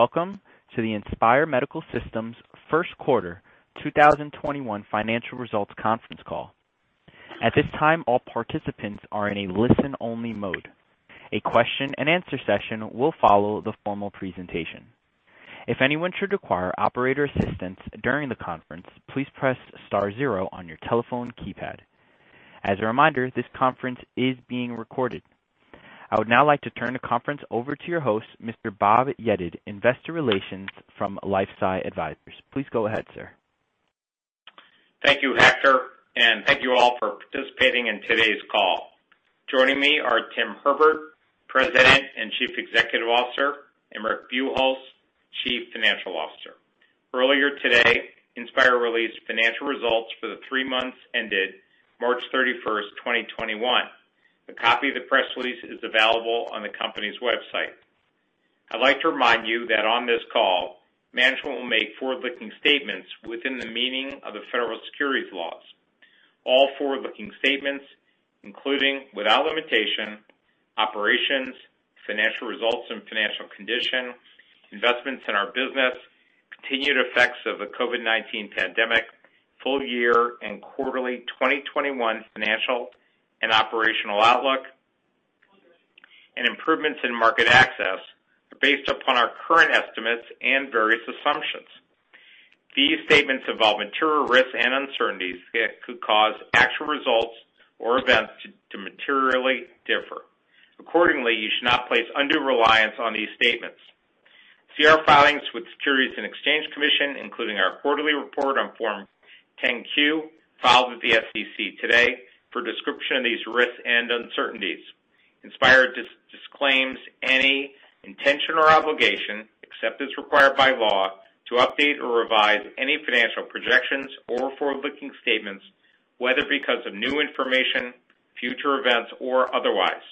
Welcome to the Inspire Medical Systems First Quarter 2021 Financial Results Conference Call. At this time, all participants are in a listen-only mode. A question and answer session will follow the formal presentation. If anyone should require operator assistance during the conference, please press star zero on your telephone keypad. As a reminder, this conference is being recorded. I would now like to turn the conference over to your host, Mr. Bob Yedid, investor relations from LifeSci Advisors. Please go ahead, sir. Thank you, Hector, and thank you all for participating in today's call. Joining me are Tim Herbert, President and Chief Executive Officer, and Rick Buchholz, Chief Financial Officer. Earlier today, Inspire released financial results for the three months ended March 31st, 2021. A copy of the press release is available on the company's website. I'd like to remind you that on this call, management will make forward-looking statements within the meaning of the federal securities laws. Forward-looking statements, including, without limitation, operations, financial results and financial condition, investments in our business, continued effects of the COVID-19 pandemic, full year and quarterly 2021 financial and operational outlook, and improvements in market access are based upon our current estimates and various assumptions. These statements involve material risks and uncertainties that could cause actual results or events to materially differ. Accordingly, you should not place undue reliance on these statements. See our filings with Securities and Exchange Commission, including our quarterly report on Form 10-Q filed with the SEC today for a description of these risks and uncertainties. Inspire disclaims any intention or obligation, except as required by law, to update or revise any financial projections or forward-looking statements, whether because of new information, future events, or otherwise.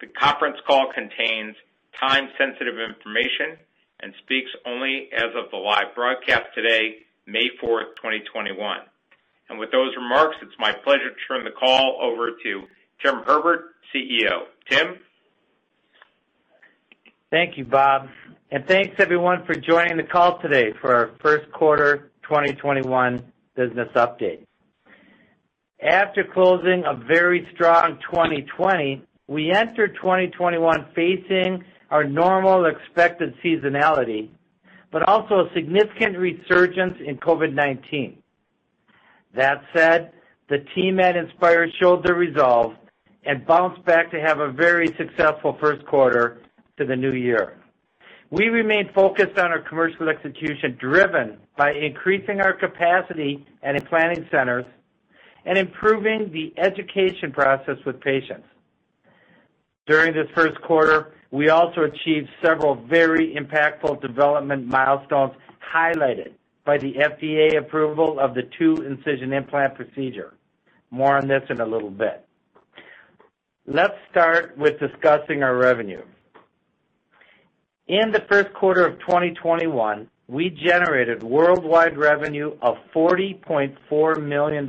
The conference call contains time-sensitive information and speaks only as of the live broadcast today, May 4, 2021. With those remarks, it's my pleasure to turn the call over to Tim Herbert, CEO. Tim? Thank you, Bob, and thanks, everyone, for joining the call today for our first quarter 2021 business update. After closing a very strong 2020, we entered 2021 facing our normal expected seasonality, but also a significant resurgence in COVID-19. That said, the team at Inspire showed their resolve and bounced back to have a very successful first quarter to the new year. We remain focused on our commercial execution, driven by increasing our capacity at implanting centers and improving the education process with patients. During this first quarter, we also achieved several very impactful development milestones, highlighted by the FDA approval of the two-incision implant procedure. More on this in a little bit. Let's start with discussing our revenue. In the first quarter of 2021, we generated worldwide revenue of $40.4 million,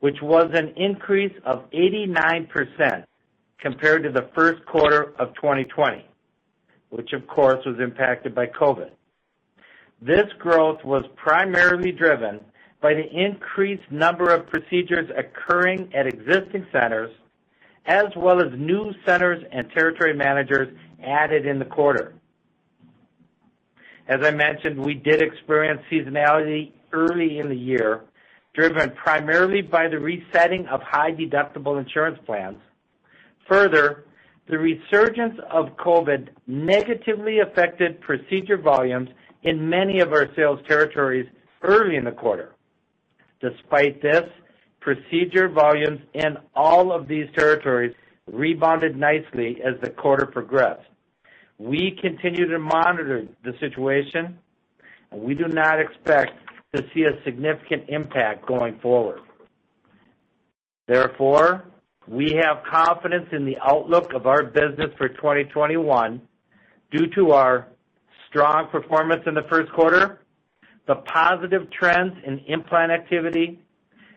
which was an increase of 89% compared to the first quarter of 2020, which, of course, was impacted by COVID-19. This growth was primarily driven by the increased number of procedures occurring at existing centers, as well as new centers and territory managers added in the quarter. As I mentioned, we did experience seasonality early in the year, driven primarily by the resetting of high-deductible insurance plans. The resurgence of COVID-19 negatively affected procedure volumes in many of our sales territories early in the quarter. Despite this, procedure volumes in all of these territories rebounded nicely as the quarter progressed. We continue to monitor the situation, and we do not expect to see a significant impact going forward. We have confidence in the outlook of our business for 2021 due to our strong performance in the first quarter, the positive trends in implant activity,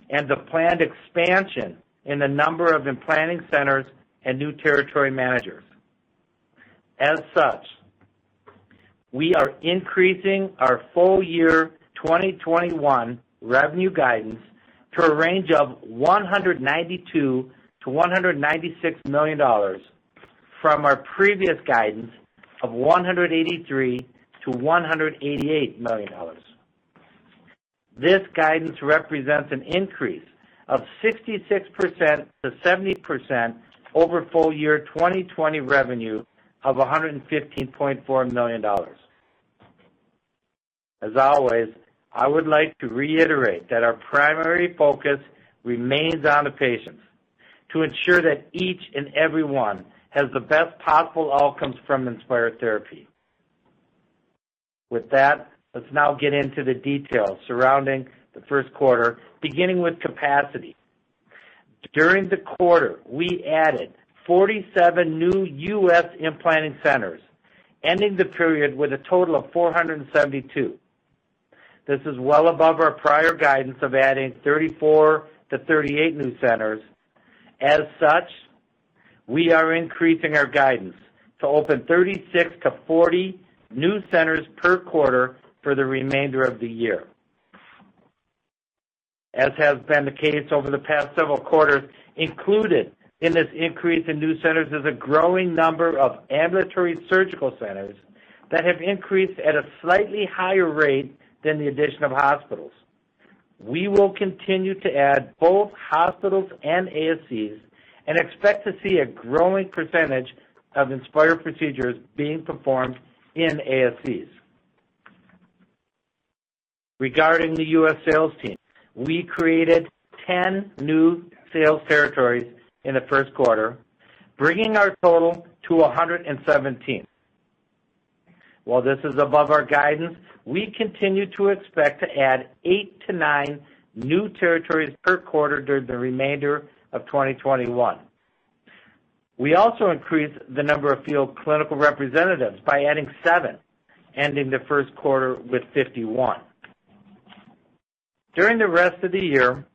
and the planned expansion in the number of implanting centers and new territory managers. We are increasing our full year 2021 revenue guidance to a range of $192 million-$196 million from our previous guidance of $183 million-$188 million. This guidance represents an increase of 66%-70% over full year 2020 revenue of $115.4 million. I would like to reiterate that our primary focus remains on the patients to ensure that each and every one has the best possible outcomes from Inspire therapy. Let's now get into the details surrounding the first quarter, beginning with capacity. During the quarter, we added 47 new U.S. implanting centers, ending the period with a total of 472. This is well above our prior guidance of adding 34-38 new centers. As such, we are increasing our guidance to open 36-40 new centers per quarter for the remainder of the year. As has been the case over the past several quarters, included in this increase in new centers is a growing number of Ambulatory Surgical Centers that have increased at a slightly higher rate than the addition of hospitals. We will continue to add both hospitals and ASCs and expect to see a growing percentage of Inspire procedures being performed in ASCs. Regarding the U.S. sales team, we created 10 new sales territories in the first quarter, bringing our total to 117. While this is above our guidance, we continue to expect to add eight to nine new territories per quarter during the remainder of 2021. We also increased the number of field clinical representatives by adding seven, ending the first quarter with 51. During the rest of the year,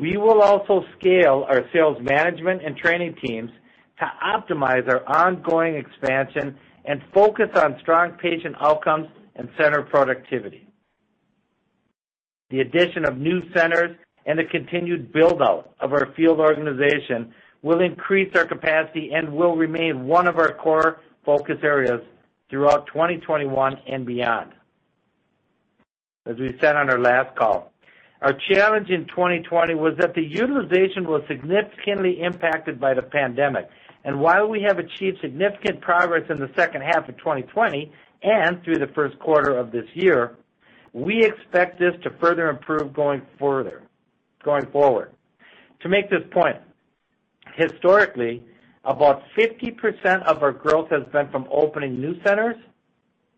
we will also scale our sales management and training teams to optimize our ongoing expansion and focus on strong patient outcomes and center productivity. The addition of new centers and the continued build-out of our field organization will increase our capacity and will remain one of our core focus areas throughout 2021 and beyond. As we said on our last call, our challenge in 2020 was that the utilization was significantly impacted by the pandemic. While we have achieved significant progress in the second half of 2020 and through the first quarter of this year, we expect this to further improve going forward. To make this point, historically, about 50% of our growth has been from opening new centers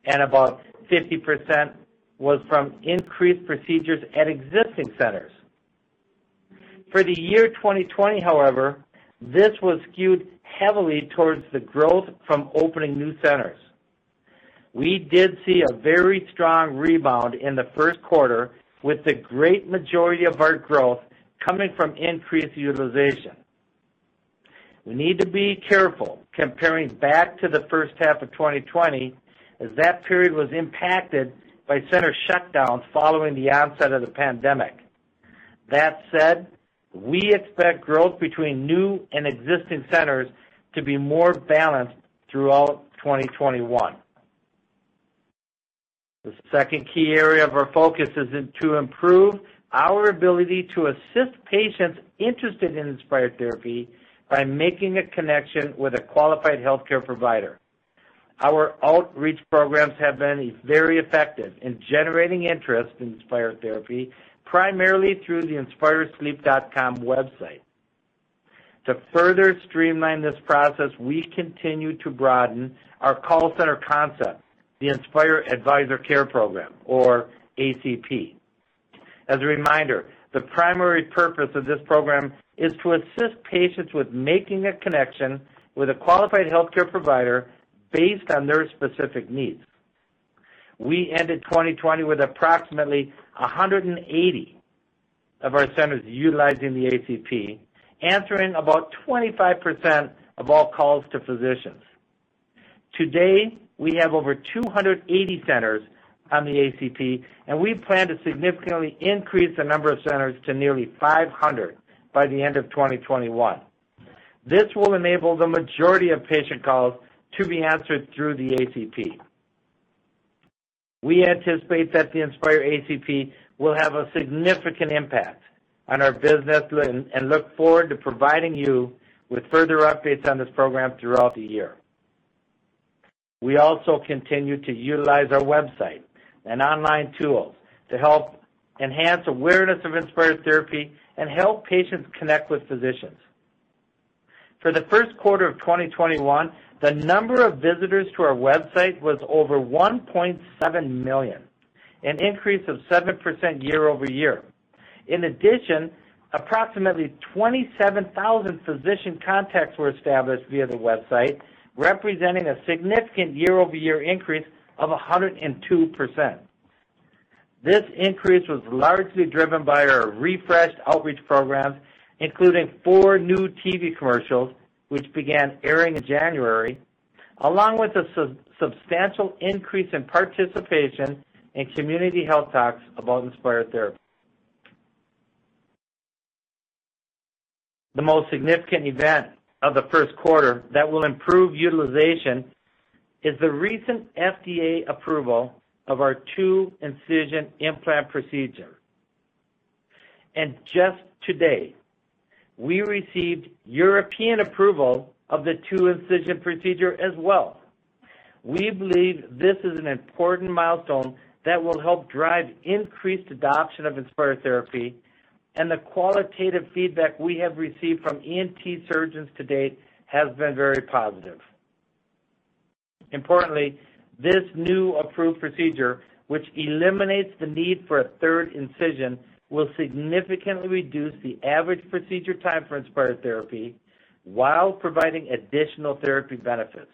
and about 50% was from increased procedures at existing centers. For the year 2020, however, this was skewed heavily towards the growth from opening new centers. We did see a very strong rebound in the first quarter with the great majority of our growth coming from increased utilization. We need to be careful comparing back to the first half of 2020, as that period was impacted by center shutdowns following the onset of the pandemic. That said, we expect growth between new and existing centers to be more balanced throughout 2021. The second key area of our focus is to improve our ability to assist patients interested in Inspire therapy by making a connection with a qualified healthcare provider. Our outreach programs have been very effective in generating interest in Inspire therapy, primarily through the inspiresleep.com website. To further streamline this process, we continue to broaden our call center concept, the Inspire Advisor Care Program, or ACP. As a reminder, the primary purpose of this program is to assist patients with making a connection with a qualified healthcare provider based on their specific needs. We ended 2020 with approximately 180 of our centers utilizing the ACP, answering about 25% of all calls to physicians. To date, we have over 280 centers on the ACP, and we plan to significantly increase the number of centers to nearly 500 by the end of 2021. This will enable the majority of patient calls to be answered through the ACP. We anticipate that the Inspire ACP will have a significant impact on our business and look forward to providing you with further updates on this program throughout the year. We also continue to utilize our website and online tools to help enhance awareness of Inspire therapy and help patients connect with physicians. For the first quarter of 2021, the number of visitors to our website was over 1.7 million, an increase of 7% year-over-year. In addition, approximately 27,000 physician contacts were established via the website, representing a significant year-over-year increase of 102%. This increase was largely driven by our refreshed outreach programs, including four new TV commercials, which began airing in January, along with a substantial increase in participation in community health talks about Inspire therapy. The most significant event of the first quarter that will improve utilization is the recent FDA approval of our two-incision implant procedure. Just today, we received European approval of the two-incision procedure as well. We believe this is an important milestone that will help drive increased adoption of Inspire therapy, and the qualitative feedback we have received from ENT surgeons to date has been very positive. Importantly, this new approved procedure, which eliminates the need for a third incision, will significantly reduce the average procedure time for Inspire therapy while providing additional therapy benefits.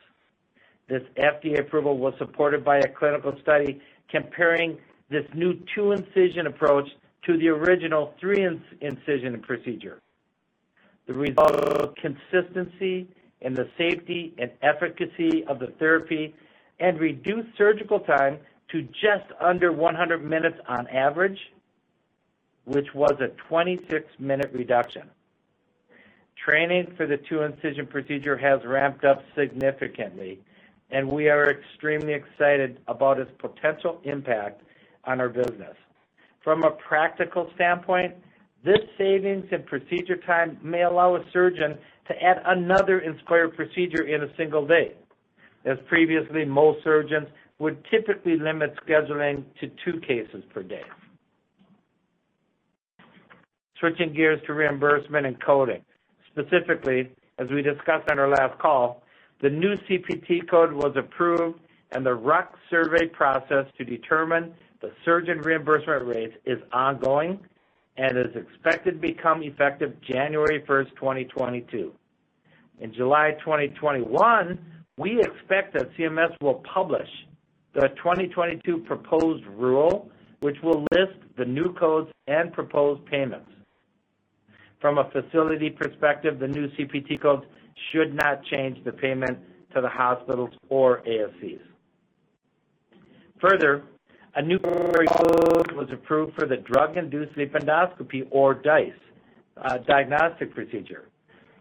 This FDA approval was supported by a clinical study comparing this new two-incision approach to the original three-incision procedure. The results, consistency in the safety and efficacy of the therapy, and reduced surgical time to just under 100 minutes on average, which was a 26-minute reduction. Training for the two-incision procedure has ramped up significantly, and we are extremely excited about its potential impact on our business. From a practical standpoint, this savings in procedure time may allow a surgeon to add another Inspire procedure in a single day, as previously, most surgeons would typically limit scheduling to two cases per day. Switching gears to reimbursement and coding. Specifically, as we discussed on our last call, the new CPT code was approved and the RUC survey process to determine the surgeon reimbursement rate is ongoing and is expected to become effective January 1st, 2022. In July 2021, we expect that CMS will publish the 2022 proposed rule, which will list the new codes and proposed payments. From a facility perspective, the new CPT codes should not change the payment to the hospitals or ASCs. Further, a new code was approved for the drug-induced sleep endoscopy or DISE diagnostic procedure,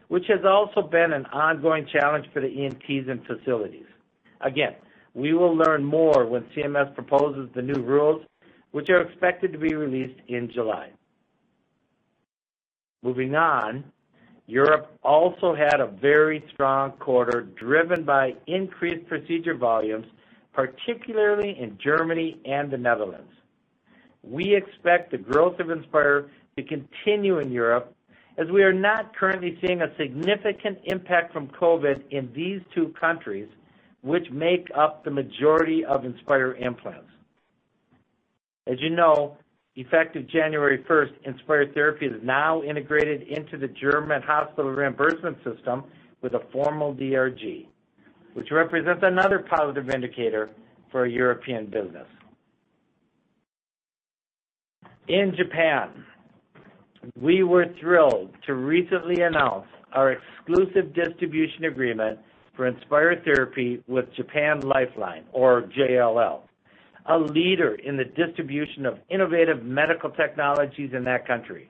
which has also been an ongoing challenge for the ENTs and facilities. Again, we will learn more when CMS proposes the new rules, which are expected to be released in July. Moving on. Europe also had a very strong quarter, driven by increased procedure volumes, particularly in Germany and the Netherlands. We expect the growth of Inspire to continue in Europe, as we are not currently seeing a significant impact from COVID in these two countries, which make up the majority of Inspire implants. As you know, effective January 1st, Inspire therapy is now integrated into the German hospital reimbursement system with a formal DRG, which represents another positive indicator for our European business. In Japan, we were thrilled to recently announce our exclusive distribution agreement for Inspire therapy with Japan Lifeline, or JLL, a leader in the distribution of innovative medical technologies in that country.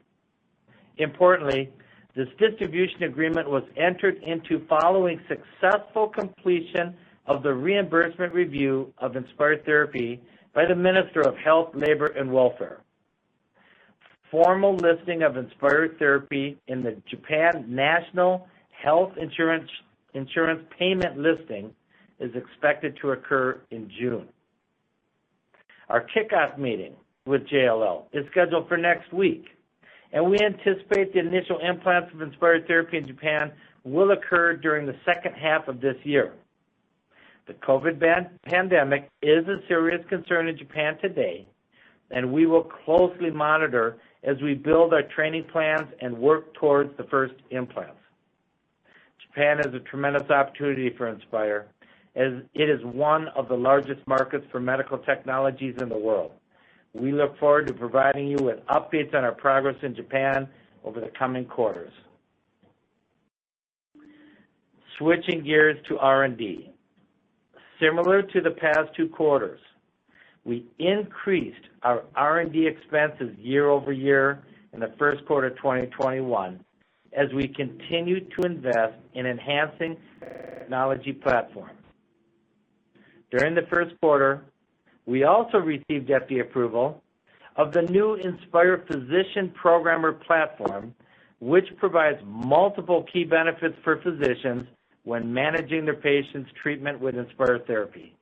Importantly, this distribution agreement was entered into following successful completion of the reimbursement review of Inspire therapy by the Ministry of Health, Labour and Welfare. Formal listing of Inspire therapy in the Japan National Health Insurance Payment listing is expected to occur in June. Our kickoff meeting with JLL is scheduled for next week, and we anticipate the initial implants of Inspire therapy in Japan will occur during the second half of this year. The COVID-19 pandemic is a serious concern in Japan today, and we will closely monitor as we build our training plans and work towards the first implants. Japan is a tremendous opportunity for Inspire, as it is one of the largest markets for medical technologies in the world. We look forward to providing you with updates on our progress in Japan over the coming quarters. Switching gears to R&D. Similar to the past two quarters, we increased our R&D expenses year-over-year in the first quarter of 2021 as we continued to invest in enhancing technology platforms. During the first quarter, we also received FDA approval of the new Inspire physician programmer platform, which provides multiple key benefits for physicians when managing their patient's treatment with Inspire therapy.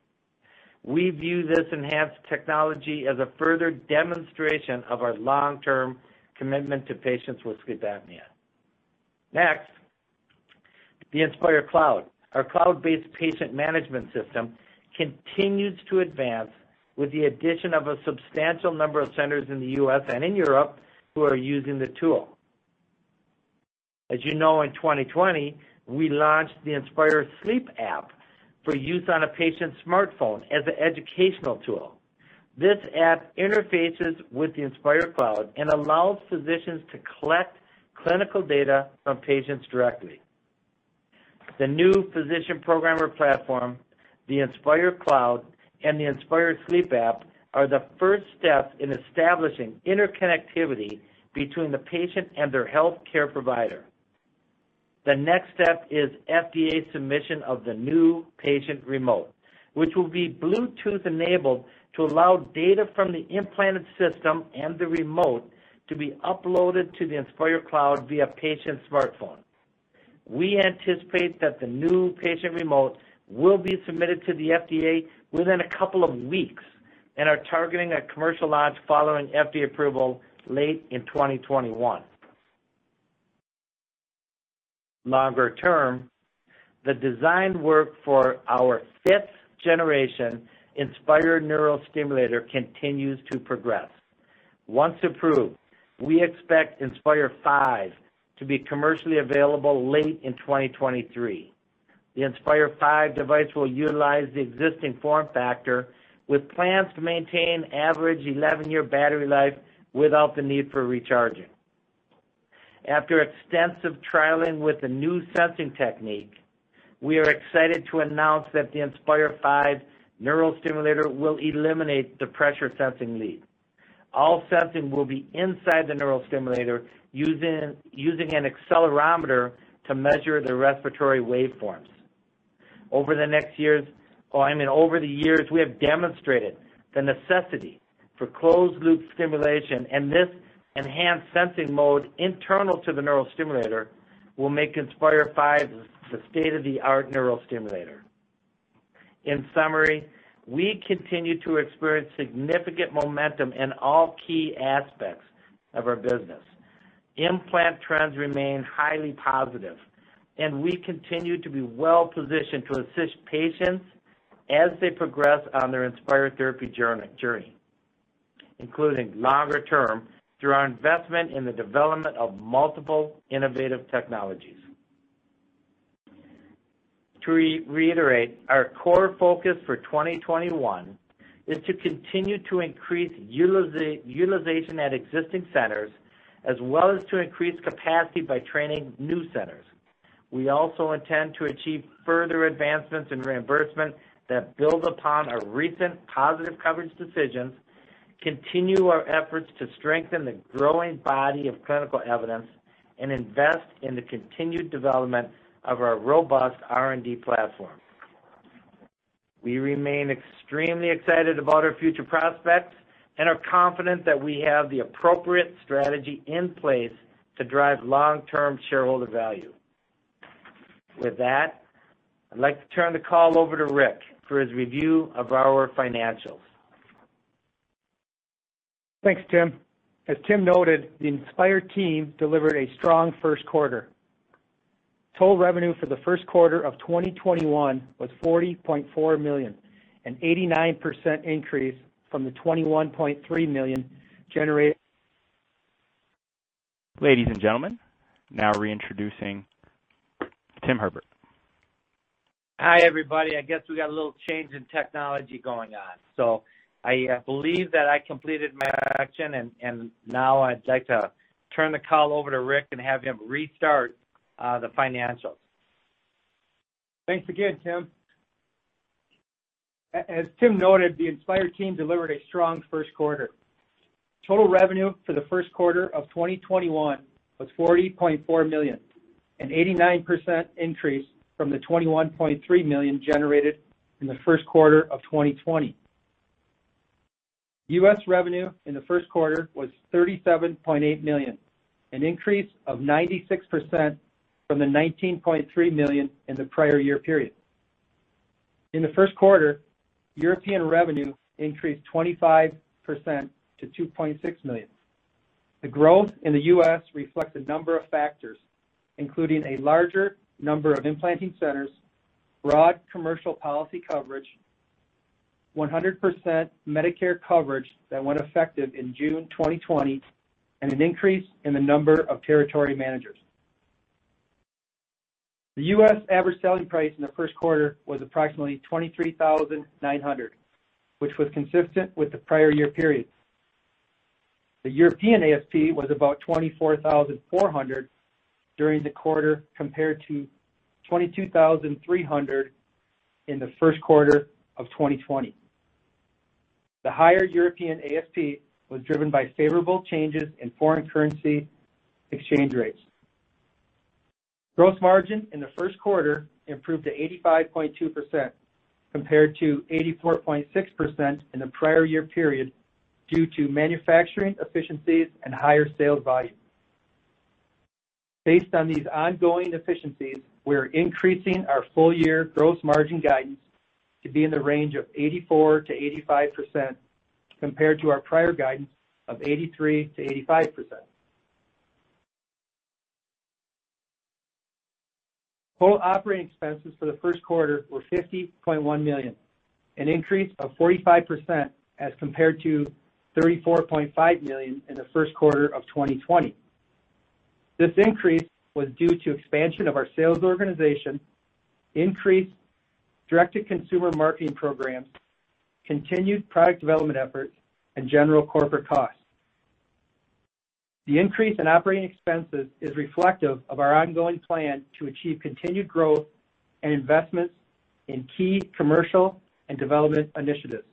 We view this enhanced technology as a further demonstration of our long-term commitment to patients with sleep apnea. Next, the Inspire Cloud. Our cloud-based patient management system continues to advance with the addition of a substantial number of centers in the U.S. and in Europe who are using the tool. As you know, in 2020, we launched the Inspire Sleep app for use on a patient's smartphone as an educational tool. This app interfaces with the Inspire Cloud and allows physicians to collect clinical data from patients directly. The new physician programmer platform, the Inspire Cloud, and the Inspire Sleep app are the first steps in establishing interconnectivity between the patient and their healthcare provider. The next step is FDA submission of the new patient remote, which will be Bluetooth-enabled to allow data from the implanted system and the remote to be uploaded to the Inspire Cloud via patient's smartphone. We anticipate that the new patient remote will be submitted to the FDA within a couple of weeks and are targeting a commercial launch following FDA approval late in 2021. Longer term, the design work for our fifth-generation Inspire neurostimulator continues to progress. Once approved, we expect Inspire V to be commercially available late in 2023. The Inspire V device will utilize the existing form factor with plans to maintain average 11-year battery life without the need for recharging. After extensive trialing with the new sensing technique, we are excited to announce that the Inspire V neurostimulator will eliminate the pressure sensing lead. All sensing will be inside the neurostimulator using an accelerometer to measure the respiratory waveforms. Over the years, we have demonstrated the necessity for closed-loop stimulation, and this enhanced sensing mode internal to the neurostimulator will make Inspire V the state-of-the-art neurostimulator. In summary, we continue to experience significant momentum in all key aspects of our business. Implant trends remain highly positive, and we continue to be well-positioned to assist patients as they progress on their Inspire therapy journey, including longer-term, through our investment in the development of multiple innovative technologies. To reiterate, our core focus for 2021 is to continue to increase utilization at existing centers as well as to increase capacity by training new centers. We also intend to achieve further advancements in reimbursement that build upon our recent positive coverage decisions, continue our efforts to strengthen the growing body of clinical evidence, and invest in the continued development of our robust R&D platform. We remain extremely excited about our future prospects and are confident that we have the appropriate strategy in place to drive long-term shareholder value. With that, I'd like to turn the call over to Rick for his review of our financials. Thanks, Tim. As Tim noted, the Inspire team delivered a strong first quarter. Total revenue for the first quarter of 2021 was $40.4 million, an 89% increase from the $21.3 million generated. Ladies and gentlemen, now reintroducing Tim Herbert. Hi, everybody. I guess we got a little change in technology going on. I believe that I completed my action, and now I'd like to turn the call over to Rick and have him restart the financials. Thanks again, Tim. As Tim noted, the Inspire team delivered a strong first quarter. Total revenue for the first quarter of 2021 was $40.4 million, an 89% increase from the $21.3 million generated in the first quarter of 2020. U.S. revenue in the first quarter was $37.8 million, an increase of 96% from the $19.3 million in the prior year period. In the first quarter, European revenue increased 25% to $2.6 million. The growth in the U.S. reflects a number of factors, including a larger number of implanting centers, broad commercial policy coverage, 100% Medicare coverage that went effective in June 2020, and an increase in the number of territory managers. The U.S. average selling price in the first quarter was approximately $23,900, which was consistent with the prior year period. The European ASP was about $24,400 during the quarter compared to $22,300 in the first quarter of 2020. The higher European ASP was driven by favorable changes in foreign currency exchange rates. Gross margin in the first quarter improved to 85.2% compared to 84.6% in the prior year period due to manufacturing efficiencies and higher sales volume. Based on these ongoing efficiencies, we are increasing our full year gross margin guidance to be in the range of 84%-85% compared to our prior guidance of 83%-85%. Total operating expenses for the first quarter were $50.1 million, an increase of 45% as compared to $34.5 million in the first quarter of 2020. This increase was due to expansion of our sales organization, increased direct-to-consumer marketing programs, continued product development efforts, and general corporate costs. The increase in operating expenses is reflective of our ongoing plan to achieve continued growth and investments in key commercial and development initiatives.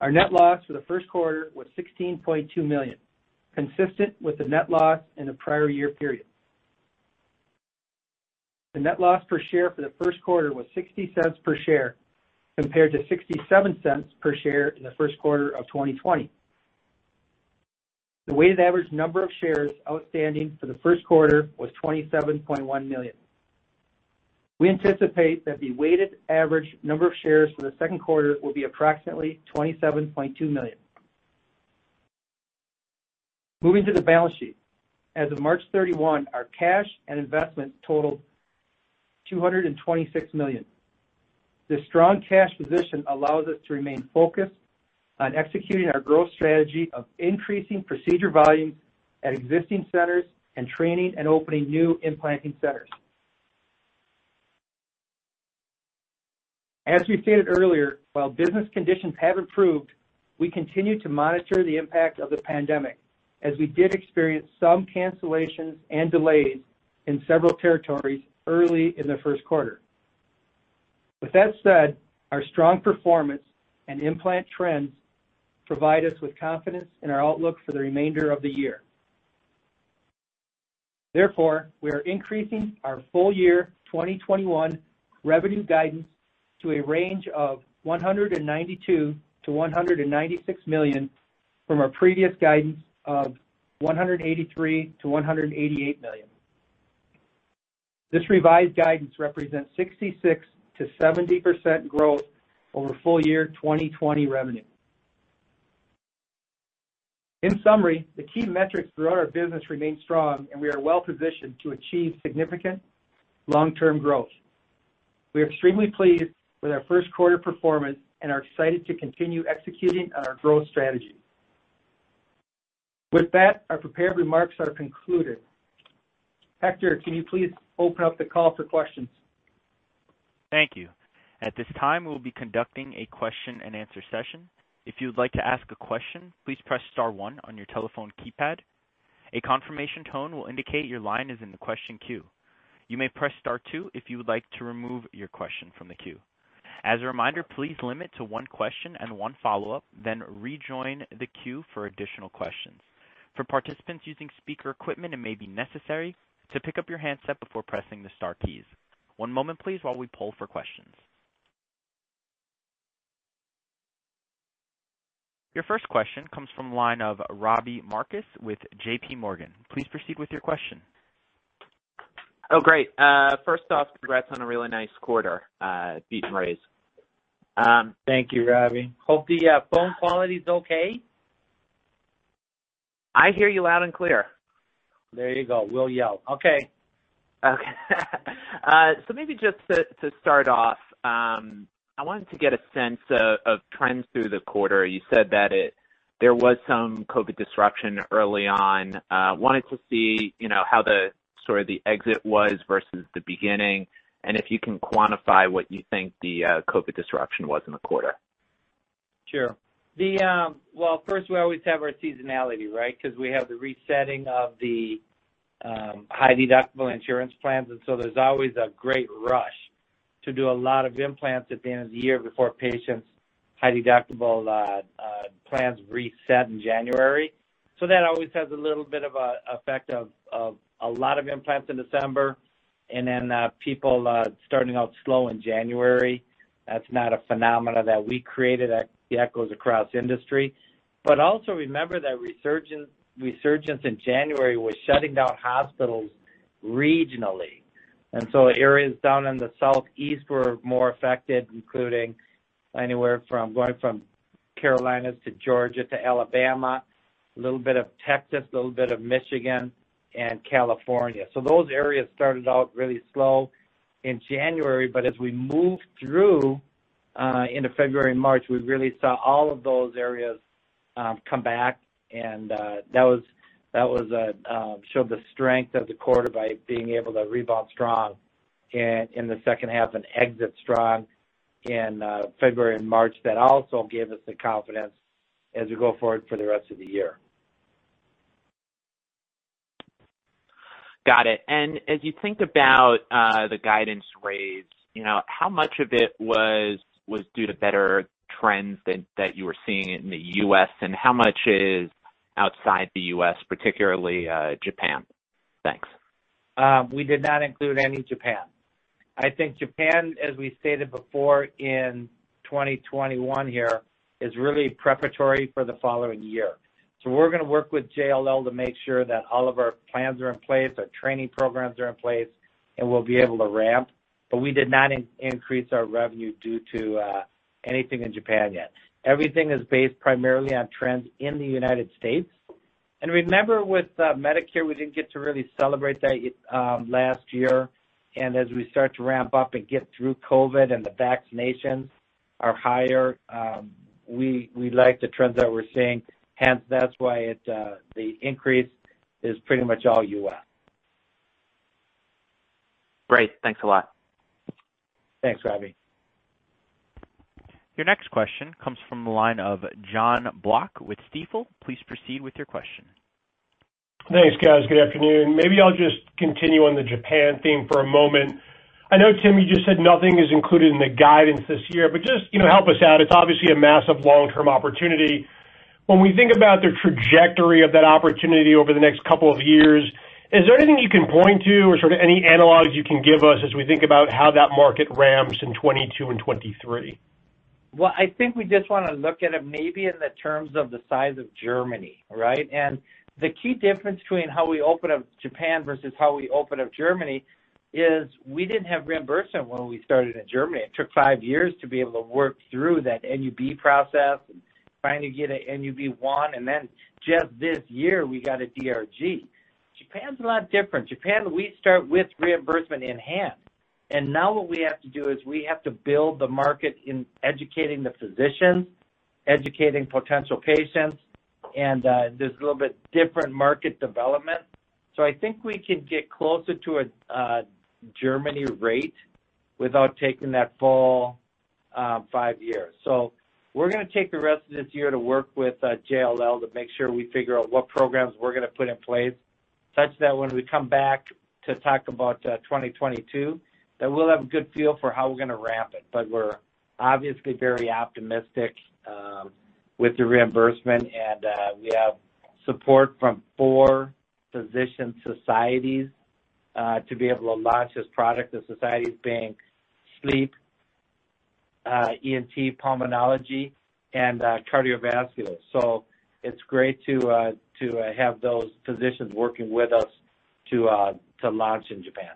Our net loss for the first quarter was $16.2 million, consistent with the net loss in the prior year period. The net loss per share for the first quarter was $0.60 per share, compared to $0.67 per share in the first quarter of 2020. The weighted average number of shares outstanding for the first quarter was 27.1 million. We anticipate that the weighted average number of shares for the second quarter will be approximately 27.2 million. Moving to the balance sheet. As of March 31, our cash and investments totaled $226 million. This strong cash position allows us to remain focused on executing our growth strategy of increasing procedure volumes at existing centers and training and opening new implanting centers. As we stated earlier, while business conditions have improved, we continue to monitor the impact of the pandemic, as we did experience some cancellations and delays in several territories early in the first quarter. With that said, our strong performance and implant trends provide us with confidence in our outlook for the remainder of the year. We are increasing our full year 2021 revenue guidance to a range of $192 million-$196 million from our previous guidance of $183 million-$188 million. This revised guidance represents 66%-70% growth over full year 2020 revenue. In summary, the key metrics throughout our business remain strong, and we are well-positioned to achieve significant long-term growth. We are extremely pleased with our first quarter performance and are excited to continue executing on our growth strategy. With that, our prepared remarks are concluded. Hector, can you please open up the call for questions? Thank you. At this time, we'll be conducting a question and answer session. If you would like to ask a question, please press star one on your telephone keypad. A confirmation tone will indicate your line is in the question queue. You may press star two if you would like to remove your question from the queue. As a reminder, please limit to one question and one follow-up, then rejoin the queue for additional questions. For participants using speaker equipment, it may be necessary to pick up your handset before pressing the star keys. One moment, please, while we poll for questions. Your first question comes from the line of Robbie Marcus with JPMorgan. Please proceed with your question. Oh, great. First off, congrats on a really nice quarter. Beat and raise. Thank you, Robbie. Hope the phone quality is okay. I hear you loud and clear. There you go. We'll yell. Okay. Okay. Maybe just to start off, I wanted to get a sense of trends through the quarter. You said that there was some COVID disruption early on. I wanted to see how the sort of the exit was versus the beginning, and if you can quantify what you think the COVID disruption was in the quarter. Sure. Well, first, we always have our seasonality, right? Because we have the resetting of the high deductible insurance plans, and so there's always a great rush to do a lot of implants at the end of the year before patients' high deductible plans reset in January. That always has a little bit of a effect of a lot of implants in December, and then people starting out slow in January. That's not a phenomena that we created, that echoes across industry. Also remember that resurgence in January was shutting down hospitals regionally. Areas down in the Southeast were more affected, including anywhere from going from Carolinas to Georgia to Alabama, little bit of Texas, little bit of Michigan, and California. Those areas started out really slow in January, but as we moved through into February and March, we really saw all of those areas come back, and that showed the strength of the quarter by being able to rebound strong in the second half and exit strong in February and March. That also gave us the confidence as we go forward for the rest of the year. Got it. As you think about the guidance raise, how much of it was due to better trends that you were seeing in the U.S., and how much is outside the U.S., particularly Japan? Thanks. We did not include any Japan. I think Japan, as we stated before in 2021 here, is really preparatory for the following year. We're going to work with JLL to make sure that all of our plans are in place, our training programs are in place, and we'll be able to ramp. We did not increase our revenue due to anything in Japan yet. Everything is based primarily on trends in the U.S. Remember with Medicare, we didn't get to really celebrate that last year, and as we start to ramp up and get through COVID-19 and the vaccinations are higher, we like the trends that we're seeing, hence that's why the increase is pretty much all U.S. Great. Thanks a lot. Thanks, Robbie. Your next question comes from the line of Jon Block with Stifel. Please proceed with your question. Thanks, guys. Good afternoon. Maybe I'll just continue on the Japan theme for a moment. I know, Tim, you just said nothing is included in the guidance this year, but just help us out. It is obviously a massive long-term opportunity. When we think about the trajectory of that opportunity over the next couple of years, is there anything you can point to or sort of any analogs you can give us as we think about how that market ramps in 2022 and 2023? Well, I think we just want to look at it maybe in the terms of the size of Germany, right, the key difference between how we open up Japan versus how we open up Germany is we didn't have reimbursement when we started in Germany. Then just this year, we got a DRG. Japan's a lot different. Japan, we start with reimbursement in hand. Now what we have to do is we have to build the market in educating the physicians, educating potential patients. There's a little bit different market development. I think we can get closer to a Germany rate without taking that full five years. We're going to take the rest of this year to work with JLL to make sure we figure out what programs we're going to put in place, such that when we come back to talk about 2022, we'll have a good feel for how we're going to ramp it. We're obviously very optimistic with the reimbursement, and we have support from four physician societies to be able to launch this product. The societies being sleep, ENT, pulmonology, and cardiovascular. It's great to have those physicians working with us to launch in Japan.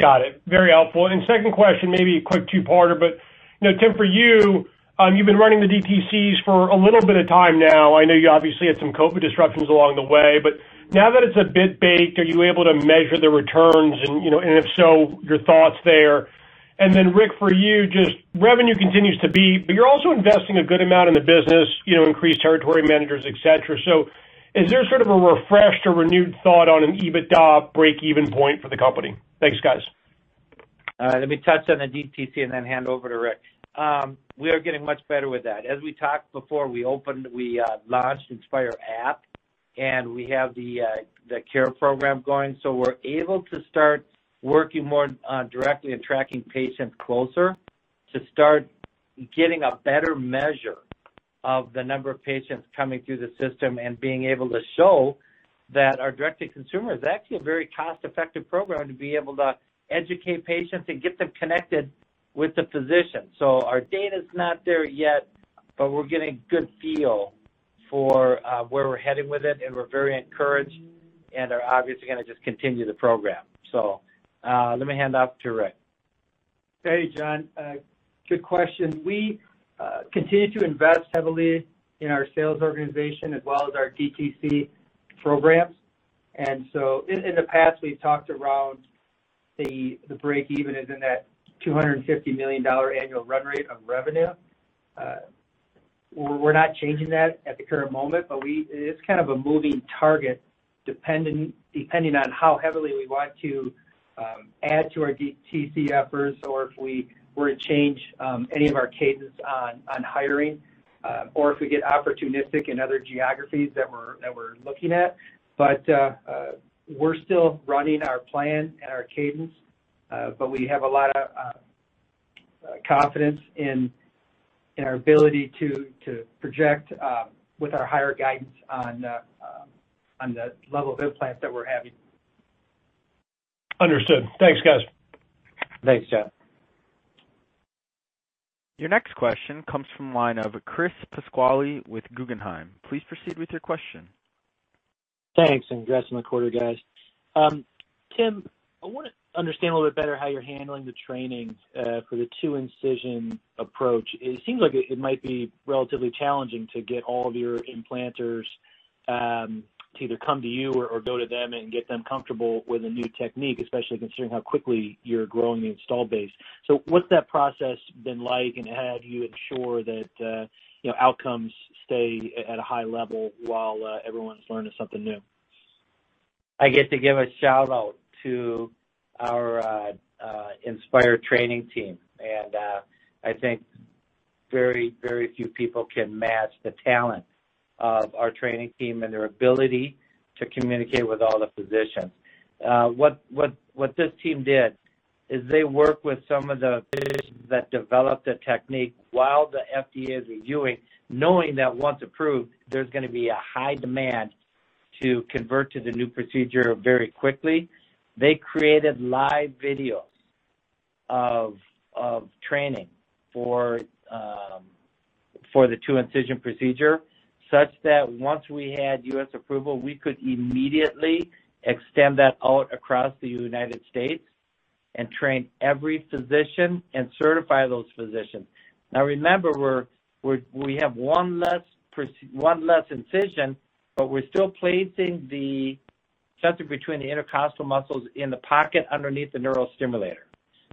Got it. Very helpful. Second question, maybe a quick two-parter, but Tim, for you've been running the DTCs for a little bit of time now. I know you obviously had some COVID disruptions along the way, but now that it's a bit baked, are you able to measure the returns, and if so, your thoughts there. Rick, for you, just revenue continues to beat, but you're also investing a good amount in the business, increased territory managers, et cetera. Is there sort of a refreshed or renewed thought on an EBITDA breakeven point for the company? Thanks, guys. Let me touch on the DTC and then hand over to Rick. We are getting much better with that. As we talked before we opened, we launched Inspire app, and we have the care program going. We're able to start working more directly and tracking patients closer to start getting a better measure of the number of patients coming through the system and being able to show that our direct-to-consumer is actually a very cost-effective program to be able to educate patients and get them connected with the physician. Our data's not there yet, but we're getting a good feel for where we're heading with it, and we're very encouraged and are obviously going to just continue the program. Let me hand off to Rick. Hey, Jon. Good question. We continue to invest heavily in our sales organization as well as our DTC programs. In the past, we've talked around the breakeven is in that $250 million annual run rate of revenue. We're not changing that at the current moment, it is kind of a moving target depending on how heavily we want to add to our DTC efforts or if we were to change any of our cadence on hiring or if we get opportunistic in other geographies that we're looking at. We're still running our plan and our cadence, but we have a lot of confidence in our ability to project with our higher guidance on the level of implants that we're having. Understood. Thanks, guys. Thanks, Jon. Your next question comes from the line of Chris Pasquale with Guggenheim. Please proceed with your question. Thanks. Congrats on the quarter, guys. Tim, I want to understand a little bit better how you're handling the training for the two-incision approach. It seems like it might be relatively challenging to get all of your implanters to either come to you or go to them and get them comfortable with a new technique, especially considering how quickly you're growing the install base. What's that process been like, and how do you ensure that outcomes stay at a high level while everyone's learning something new? I get to give a shout-out to our Inspire training team. I think very few people can match the talent of our training team and their ability to communicate with all the physicians. What this team did is they worked with some of the physicians that developed a technique while the FDA is reviewing, knowing that once approved, there's going to be a high demand to convert to the new procedure very quickly. They created live videos of training for the two-incision procedure, such that once we had U.S. approval, we could immediately extend that out across the United States and train every physician and certify those physicians. Remember, we have one less incision, we're still placing the sensor between the intercostal muscles in the pocket underneath the neurostimulator.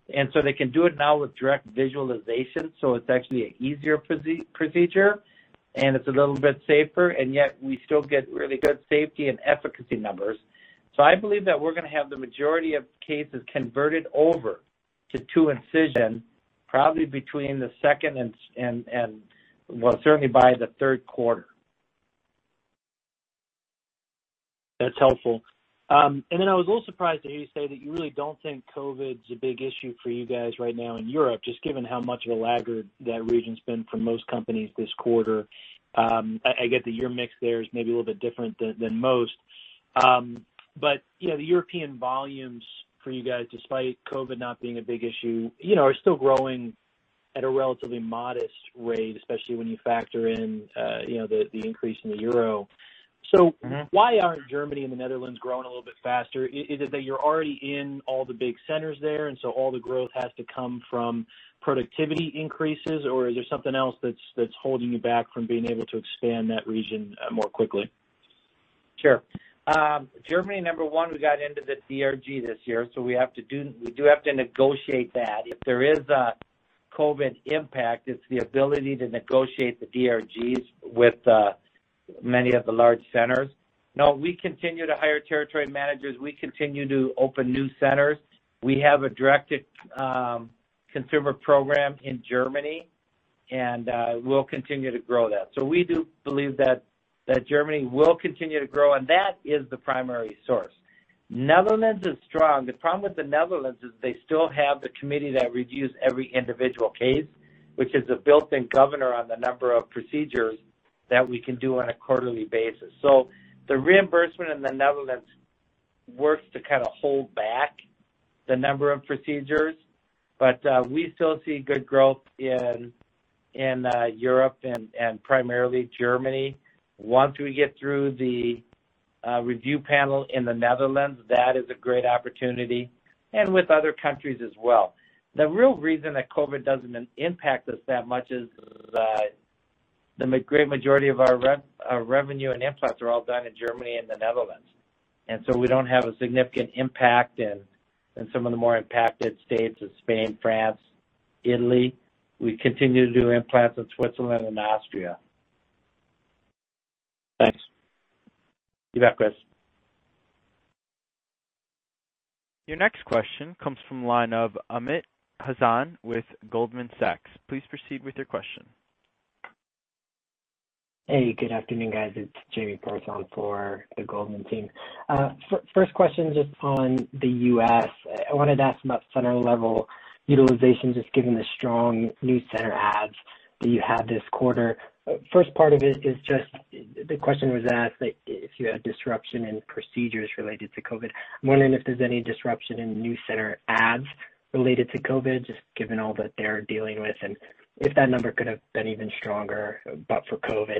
They can do it now with direct visualization, so it's actually an easier procedure, and it's a little bit safer, and yet we still get really good safety and efficacy numbers. I believe that we're going to have the majority of cases converted over to two-incision probably between the second and, well, certainly by the third quarter. That's helpful. I was a little surprised to hear you say that you really don't think COVID's a big issue for you guys right now in Europe, just given how much of a laggard that region's been for most companies this quarter. I get that your mix there is maybe a little bit different than most. The European volumes for you guys, despite COVID not being a big issue, are still growing at a relatively modest rate, especially when you factor in the increase in the euro. Why aren't Germany and the Netherlands growing a little bit faster? Is it that you're already in all the big centers there, and so all the growth has to come from productivity increases? Is there something else that's holding you back from being able to expand that region more quickly? Sure. Germany, number one, we got into the DRG this year. We do have to negotiate that. If there is a COVID impact, it's the ability to negotiate the DRGs with many of the large centers. No, we continue to hire territory managers. We continue to open new centers. We have a directed consumer program in Germany. We'll continue to grow that. We do believe that Germany will continue to grow. That is the primary source. Netherlands is strong. The problem with the Netherlands is they still have the committee that reviews every individual case, which is a built-in governor on the number of procedures that we can do on a quarterly basis. The reimbursement in the Netherlands works to kind of hold back the number of procedures. We still see good growth in Europe, and primarily Germany. Once we get through the review panel in the Netherlands, that is a great opportunity. With other countries as well. The real reason that COVID doesn't impact us that much is that the great majority of our revenue and implants are all done in Germany and the Netherlands. We don't have a significant impact in some of the more impacted states of Spain, France, Italy. We continue to do implants in Switzerland and Austria. Thanks. You bet, Chris. Your next question comes from the line of Amit Hazan with Goldman Sachs. Please proceed with your question. Hey, good afternoon, guys. It's Jamie Perse on for the Goldman team. First question, just on the U.S. I wanted to ask about center level utilization, just given the strong new center adds that you had this quarter. First part of it is just the question was asked that if you had disruption in procedures related to COVID. I'm wondering if there's any disruption in new center adds related to COVID, just given all that they're dealing with, and if that number could have been even stronger but for COVID.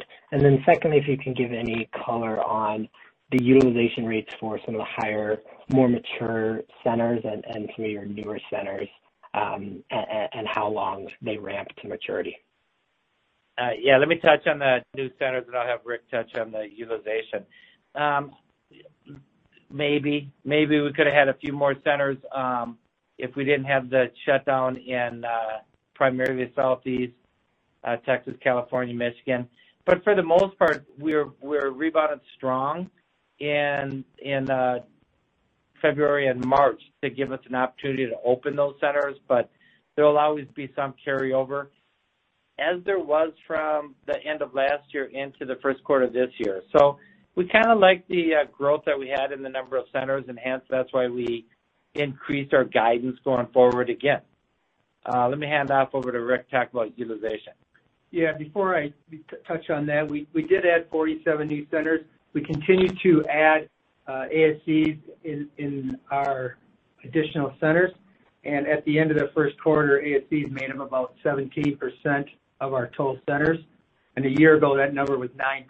Secondly, if you can give any color on the utilization rates for some of the higher, more mature centers and some of your newer centers, and how long they ramp to maturity. Let me touch on the new centers. I'll have Rick touch on the utilization. Maybe we could've had a few more centers if we didn't have the shutdown in primarily the Southeast, Texas, California, Michigan. For the most part, we rebounded strong in February and March to give us an opportunity to open those centers. There'll always be some carryover, as there was from the end of last year into the first quarter of this year. We kind of like the growth that we had in the number of centers, and hence, that's why we increased our guidance going forward again. Let me hand off over to Rick to talk about utilization. Yeah. Before I touch on that, we did add 47 new centers. We continue to add ASCs in our additional centers. At the end of the first quarter, ASCs made up about 17% of our total centers. A year ago, that number was 9%.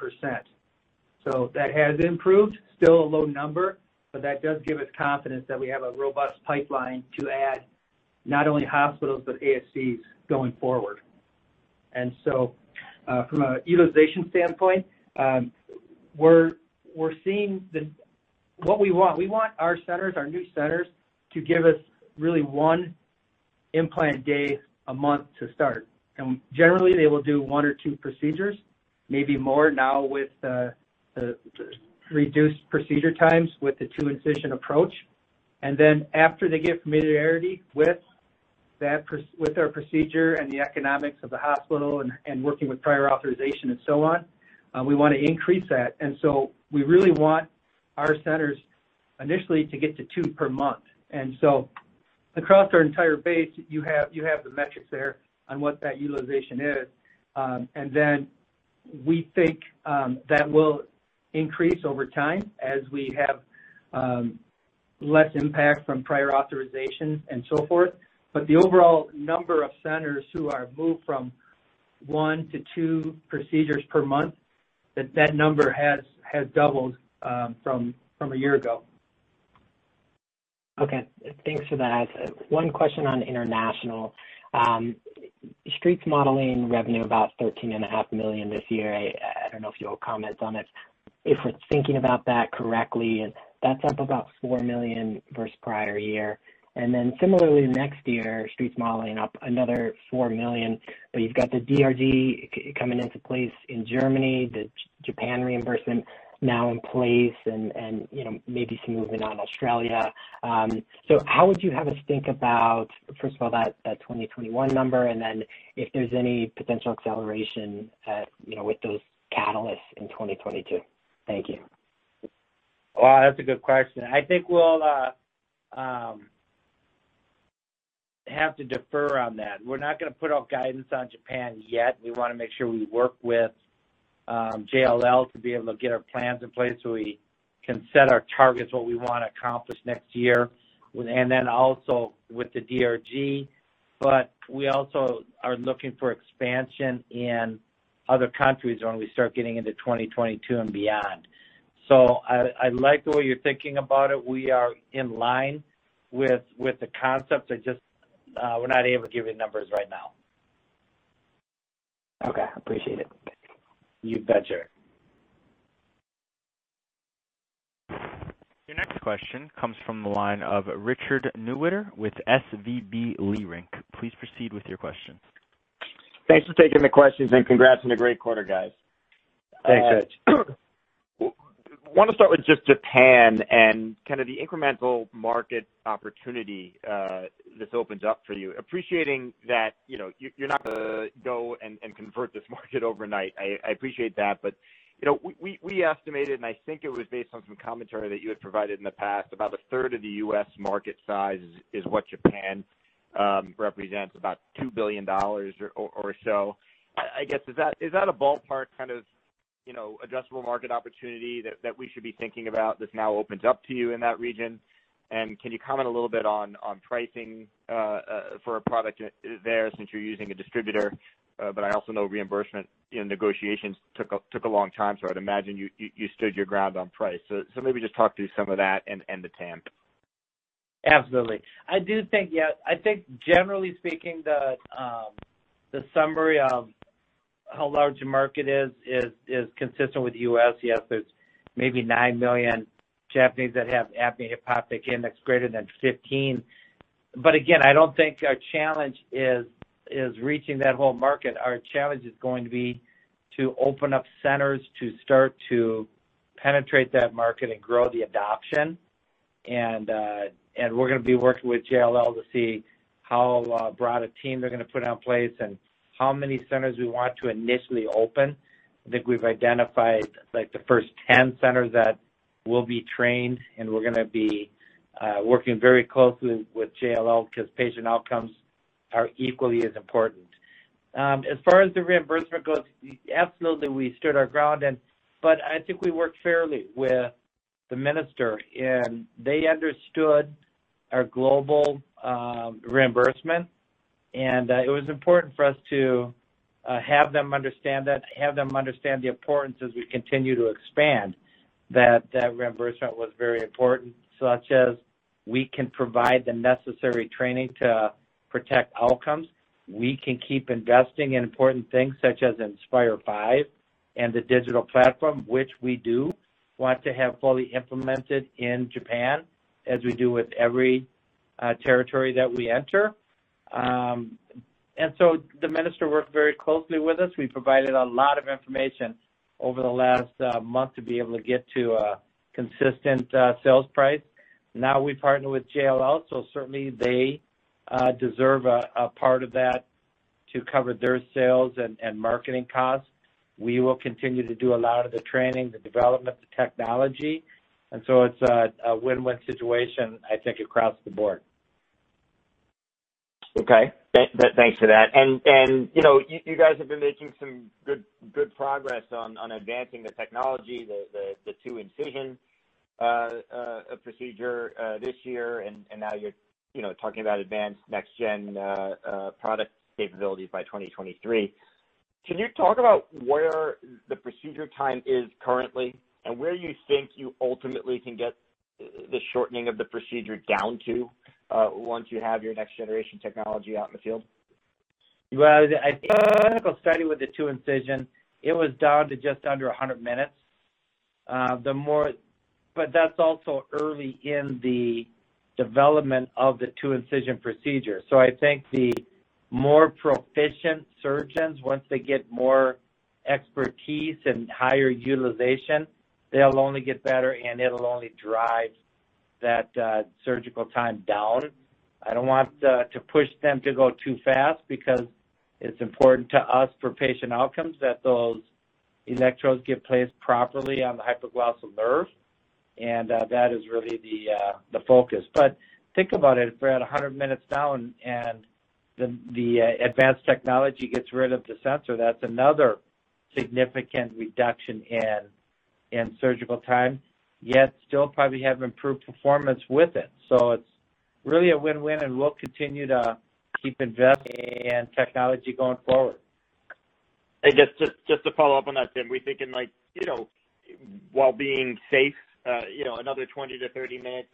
That has improved. Still a low number, but that does give us confidence that we have a robust pipeline to add not only hospitals, but ASCs going forward. From a utilization standpoint, we're seeing what we want. We want our centers, our new centers, to give us really one implant day a month to start. Generally, they will do one or two procedures, maybe more now with the reduced procedure times with the two-incision approach. After they get familiarity with our procedure and the economics of the hospital and working with prior authorization and so on, we want to increase that. We really want our centers initially to get to two per month. Across our entire base, you have the metrics there on what that utilization is. We think that will increase over time as we have less impact from prior authorizations and so forth. The overall number of centers who are moved from one to two procedures per month, that number has doubled from a year ago. Okay. Thanks for that. One question on international. Street's modeling revenue about $13.5 million this year. I don't know if you'll comment on it. If we're thinking about that correctly, that's up about $4 million versus prior year. Similarly next year, Street's modeling up another $4 million, but you've got the DRG coming into place in Germany, the Japan reimbursement now in place and maybe some movement on Australia. How would you have us think about, first of all, that 2021 number, and then if there's any potential acceleration with those catalysts in 2022? Thank you. Well, that's a good question. I think we'll have to defer on that. We're not going to put out guidance on Japan yet. We want to make sure we work with JLL to be able to get our plans in place so we can set our targets, what we want to accomplish next year. Also with the DRG, but we also are looking for expansion in other countries when we start getting into 2022 and beyond. I like the way you're thinking about it. We are in line with the concepts. It's just we're not able to give you numbers right now. Okay, appreciate it. You betcha. Your next question comes from the line of Richard Newitter with SVB Leerink. Please proceed with your question. Thanks for taking the questions and congrats on a great quarter, guys. Thanks, Rich. Want to start with just Japan and kind of the incremental market opportunity this opens up for you. Appreciating that you're not going to go and convert this market overnight. I appreciate that. We estimated, and I think it was based on some commentary that you had provided in the past, about a third of the U.S. market size is what Japan represents, about $2 billion or so. I guess, is that a ballpark kind of addressable market opportunity that we should be thinking about that now opens up to you in that region? Can you comment a little bit on pricing for a product there since you're using a distributor? I also know reimbursement negotiations took a long time, so I'd imagine you stood your ground on price. Maybe just talk through some of that and the TAM. Absolutely. I do think. I think generally speaking, the summary of how large the market is consistent with the U.S. Yes, there's maybe nine million Japanese that have apnea-hypopnea index greater than 15. Again, I don't think our challenge is reaching that whole market. Our challenge is going to be to open up centers to start to penetrate that market and grow the adoption. We're going to be working with JLL to see how broad a team they're going to put in place and how many centers we want to initially open. I think we've identified the first 10 centers that will be trained, and we're going to be working very closely with JLL because patient outcomes are equally as important. As far as the reimbursement goes, absolutely we stood our ground. I think we worked fairly with the minister, and they understood our global reimbursement. It was important for us to have them understand that, have them understand the importance as we continue to expand, that that reimbursement was very important, such as we can provide the necessary training to protect outcomes. We can keep investing in important things such as Inspire V and the digital platform, which we do want to have fully implemented in Japan as we do with every territory that we enter. The minister worked very closely with us. We provided a lot of information over the last month to be able to get to a consistent sales price. Now we partner with JLL, certainly they deserve a part of that to cover their sales and marketing costs. We will continue to do a lot of the training, the development, the technology, and so it's a win-win situation, I think, across the board. Okay. Thanks for that. You guys have been making some good progress on advancing the technology, the two-incision procedure this year, and now you're talking about advanced next-gen product capabilities by 2023. Can you talk about where the procedure time is currently and where you think you ultimately can get the shortening of the procedure down to once you have your next generation technology out in the field? I think the clinical study with the two-incision, it was down to just under 100 minutes. That's also early in the development of the two-incision procedure. I think the more proficient surgeons, once they get more expertise and higher utilization, they'll only get better, and it'll only drive that surgical time down. I don't want to push them to go too fast because it's important to us for patient outcomes that those electrodes get placed properly on the hypoglossal nerve, and that is really the focus. Think about it. If we're at 100 minutes down and the advanced technology gets rid of the sensor, that's another significant reduction in surgical time, yet still probably have improved performance with it. It's really a win-win, and we'll continue to keep investing in technology going forward. Just to follow up on that, Tim, we thinking while being safe, another 20 to 30 minutes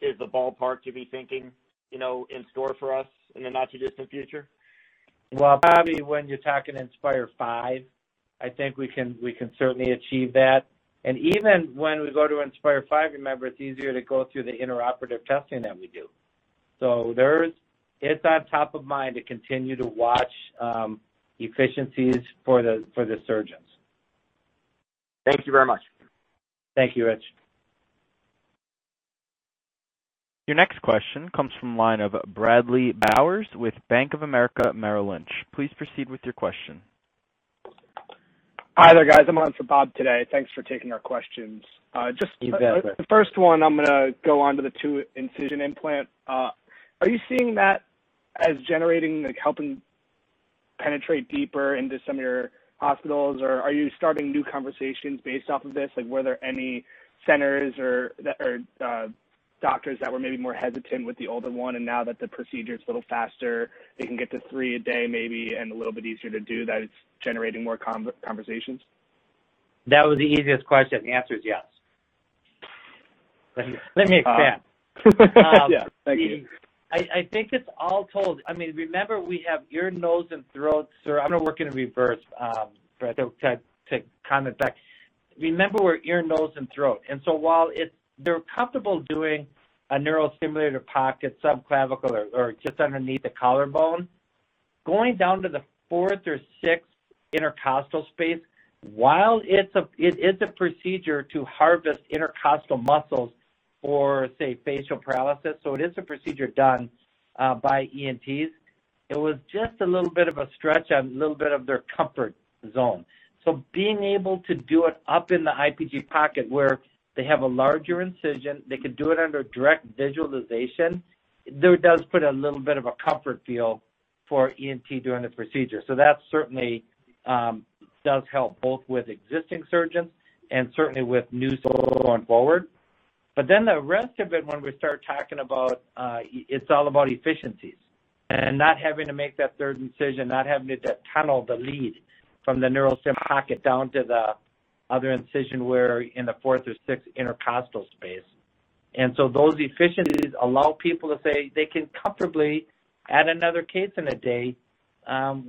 is the ballpark to be thinking in store for us in the not too distant future? Well, probably when you're talking Inspire V, I think we can certainly achieve that. Even when we go to Inspire V, remember, it's easier to go through the intraoperative testing that we do. It's on top of mind to continue to watch efficiencies for the surgeons. Thank you very much. Thank you, Rich. Your next question comes from the line of Bradley Bowers with Bank of America Merrill Lynch. Please proceed with your question. Hi there, guys. I'm on for Bob today. Thanks for taking our questions. You betcha. Just the first one, I'm going to go on to the two incision implant. Are you seeing that as generating, helping penetrate deeper into some of your hospitals, or are you starting new conversations based off of this? Were there any centers or doctors that were maybe more hesitant with the older one, and now that the procedure's a little faster, they can get to three a day maybe, and a little bit easier to do, that it's generating more conversations? That was the easiest question. The answer is yes. Let me expand. Yeah. Thank you. I think it's all told. Remember we have ear, nose and throat, so I'm going to work in reverse, Brad, to comment back. Remember we're ear, nose and throat. While they're comfortable doing a neurostimulator pocket subclavicular or just underneath the collarbone, going down to the fourth or sixth intercostal space, while it is a procedure to harvest intercostal muscles for, say, facial paralysis, so it is a procedure done by ENTs, it was just a little bit of a stretch on a little bit of their comfort zone. Being able to do it up in the IPG pocket where they have a larger incision, they can do it under direct visualization, it does put a little bit of a comfort feel for ENT doing the procedure. That certainly does help both with existing surgeons and certainly with new ones going forward. The rest of it, when we start talking about it's all about efficiencies and not having to make that third incision, not having to tunnel the lead from the neurostim pocket down to the other incision where in the fourth or sixth intercostal space. Those efficiencies allow people to say they can comfortably add another case in a day,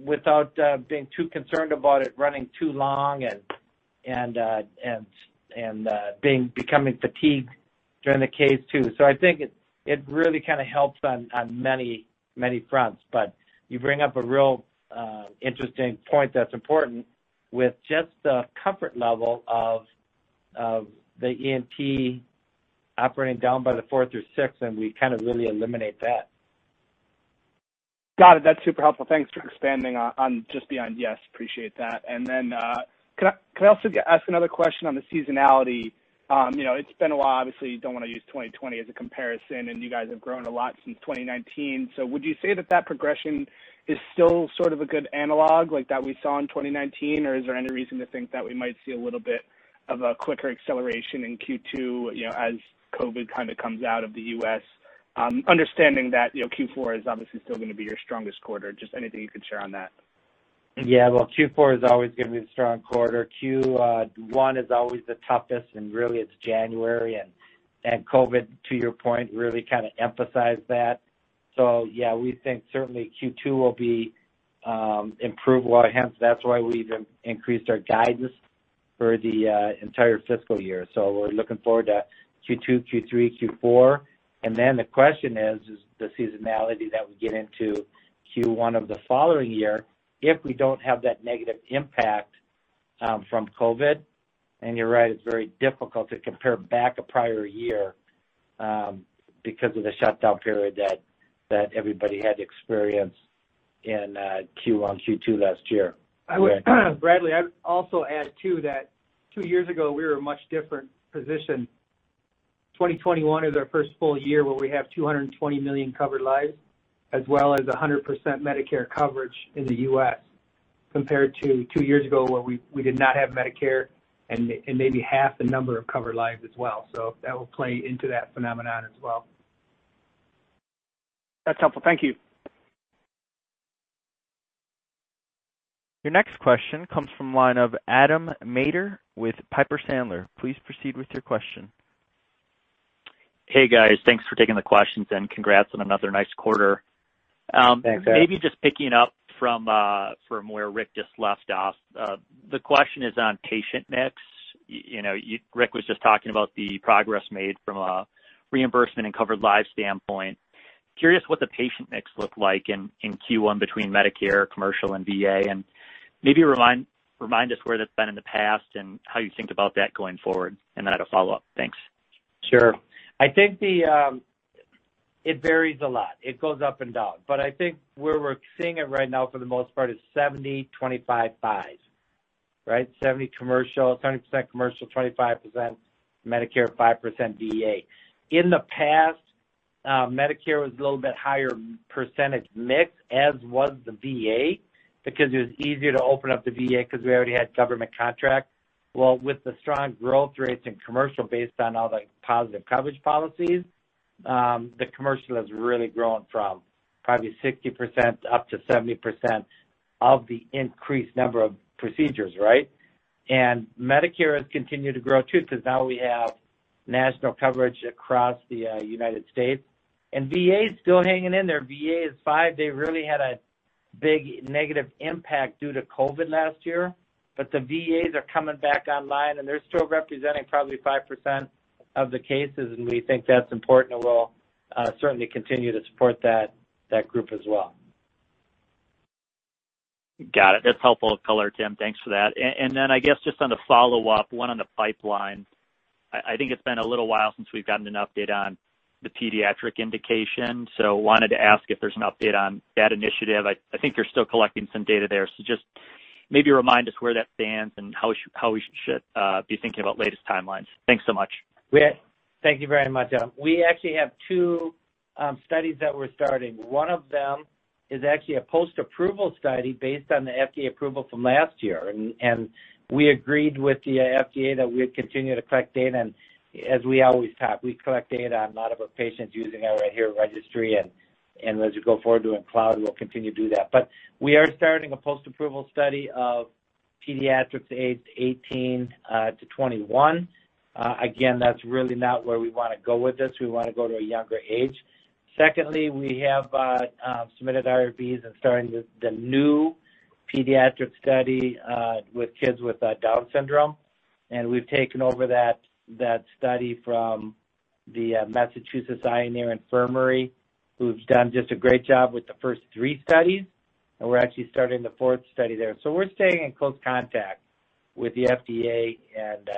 without being too concerned about it running too long and becoming fatigued during the case, too. I think it really kind of helps on many fronts. You bring up a real interesting point that's important with just the comfort level of the ENT operating down by the fourth or sixth, and we kind of really eliminate that. Got it. That's super helpful. Thanks for expanding on just beyond yes. Appreciate that. Can I also ask another question on the seasonality? It's been a while. Obviously, you don't want to use 2020 as a comparison, and you guys have grown a lot since 2019. Would you say that that progression is still sort of a good analog like that we saw in 2019, or is there any reason to think that we might see a little bit of a quicker acceleration in Q2 as COVID kind of comes out of the U.S., understanding that Q4 is obviously still going to be your strongest quarter? Just anything you can share on that. Well, Q4 is always going to be the strong quarter. Q1 is always the toughest, really it's January, and COVID, to your point, really kind of emphasized that. We think certainly Q2 will be improved, hence that's why we increased our guidance for the entire fiscal year. We're looking forward to Q2, Q3, Q4. Then the question is the seasonality that we get into Q1 of the following year if we don't have that negative impact from COVID? You're right, it's very difficult to compare back a prior year, because of the shutdown period that everybody had experienced in Q1, Q2 last year. Bradley, I would also add, too, that two years ago, we were in a much different position. 2021 is our first full year where we have 220 million covered lives, as well as 100% Medicare coverage in the U.S., compared to two years ago where we did not have Medicare and maybe half the number of covered lives as well. That will play into that phenomenon as well. That's helpful. Thank you. Your next question comes from the line of Adam Maeder with Piper Sandler. Please proceed with your question. Hey, guys. Thanks for taking the questions and congrats on another nice quarter. Thanks, Adam. Maybe just picking up from where Rick just left off. The question is on patient mix. Rick was just talking about the progress made from a reimbursement and covered lives standpoint. Curious what the patient mix looked like in Q1 between Medicare, commercial, and VA, and maybe remind us where that's been in the past and how you think about that going forward. I had a follow-up. Thanks. Sure. I think it varies a lot. It goes up and down. I think where we're seeing it right now, for the most part, is 70/25/5, right? 70% commercial, 25% Medicare, 5% VA. In the past, Medicare was a little bit higher percentage mix, as was the VA, because it was easier to open up the VA because we already had government contracts. With the strong growth rates in commercial based on all the positive coverage policies, the commercial has really grown from probably 60% up to 70% of the increased number of procedures, right? Medicare has continued to grow, too, because now we have national coverage across the United States. VA's still hanging in there. VA is five. They really had a big negative impact due to COVID last year. The VAs are coming back online, and they're still representing probably 5% of the cases, and we think that's important, and we'll certainly continue to support that group as well. Got it. That's helpful color, Tim. Thanks for that. I guess just on the follow-up, one on the pipeline. I think it's been a little while since we've gotten an update on the pediatric indication, so wanted to ask if there's an update on that initiative. I think you're still collecting some data there, so maybe remind us where that stands and how we should be thinking about latest timelines. Thanks so much. Thank you very much. We actually have two studies that we're starting. One of them is actually a post-approval study based on the FDA approval from last year. We agreed with the FDA that we would continue to collect data, and as we always have. We collect data on a lot of our patients using our ADHERE Registry, and as we go forward doing Cloud, we'll continue to do that. We are starting a post-approval study of pediatrics aged 18-21. Again, that's really not where we want to go with this. We want to go to a younger age. Secondly, we have submitted IRBs and starting the new pediatric study with kids with Down syndrome. We've taken over that study from the Massachusetts Eye and Ear Infirmary, who's done just a great job with the first three studies. We're actually starting the fourth study there. We're staying in close contact with the FDA, and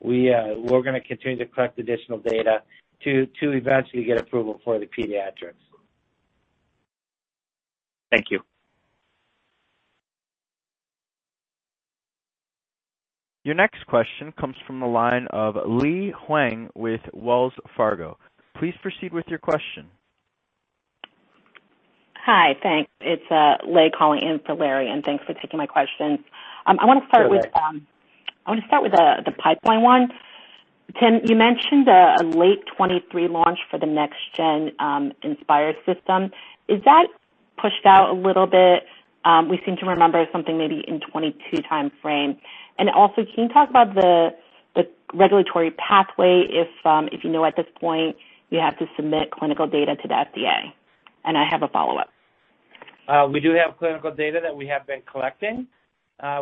we're going to continue to collect additional data to eventually get approval for the pediatrics. Thank you. Your next question comes from the line of Lei Huang with Wells Fargo. Please proceed with your question. Hi. Thanks. It's Lei calling in for Larry, and thanks for taking my question. Go ahead. I want to start with the pipeline one. Tim, you mentioned a late 2023 launch for the next gen Inspire system. Is that pushed out a little bit? We seem to remember something maybe in 2022 timeframe. Also, can you talk about the regulatory pathway, if you know at this point you have to submit clinical data to the FDA? I have a follow-up. We do have clinical data that we have been collecting.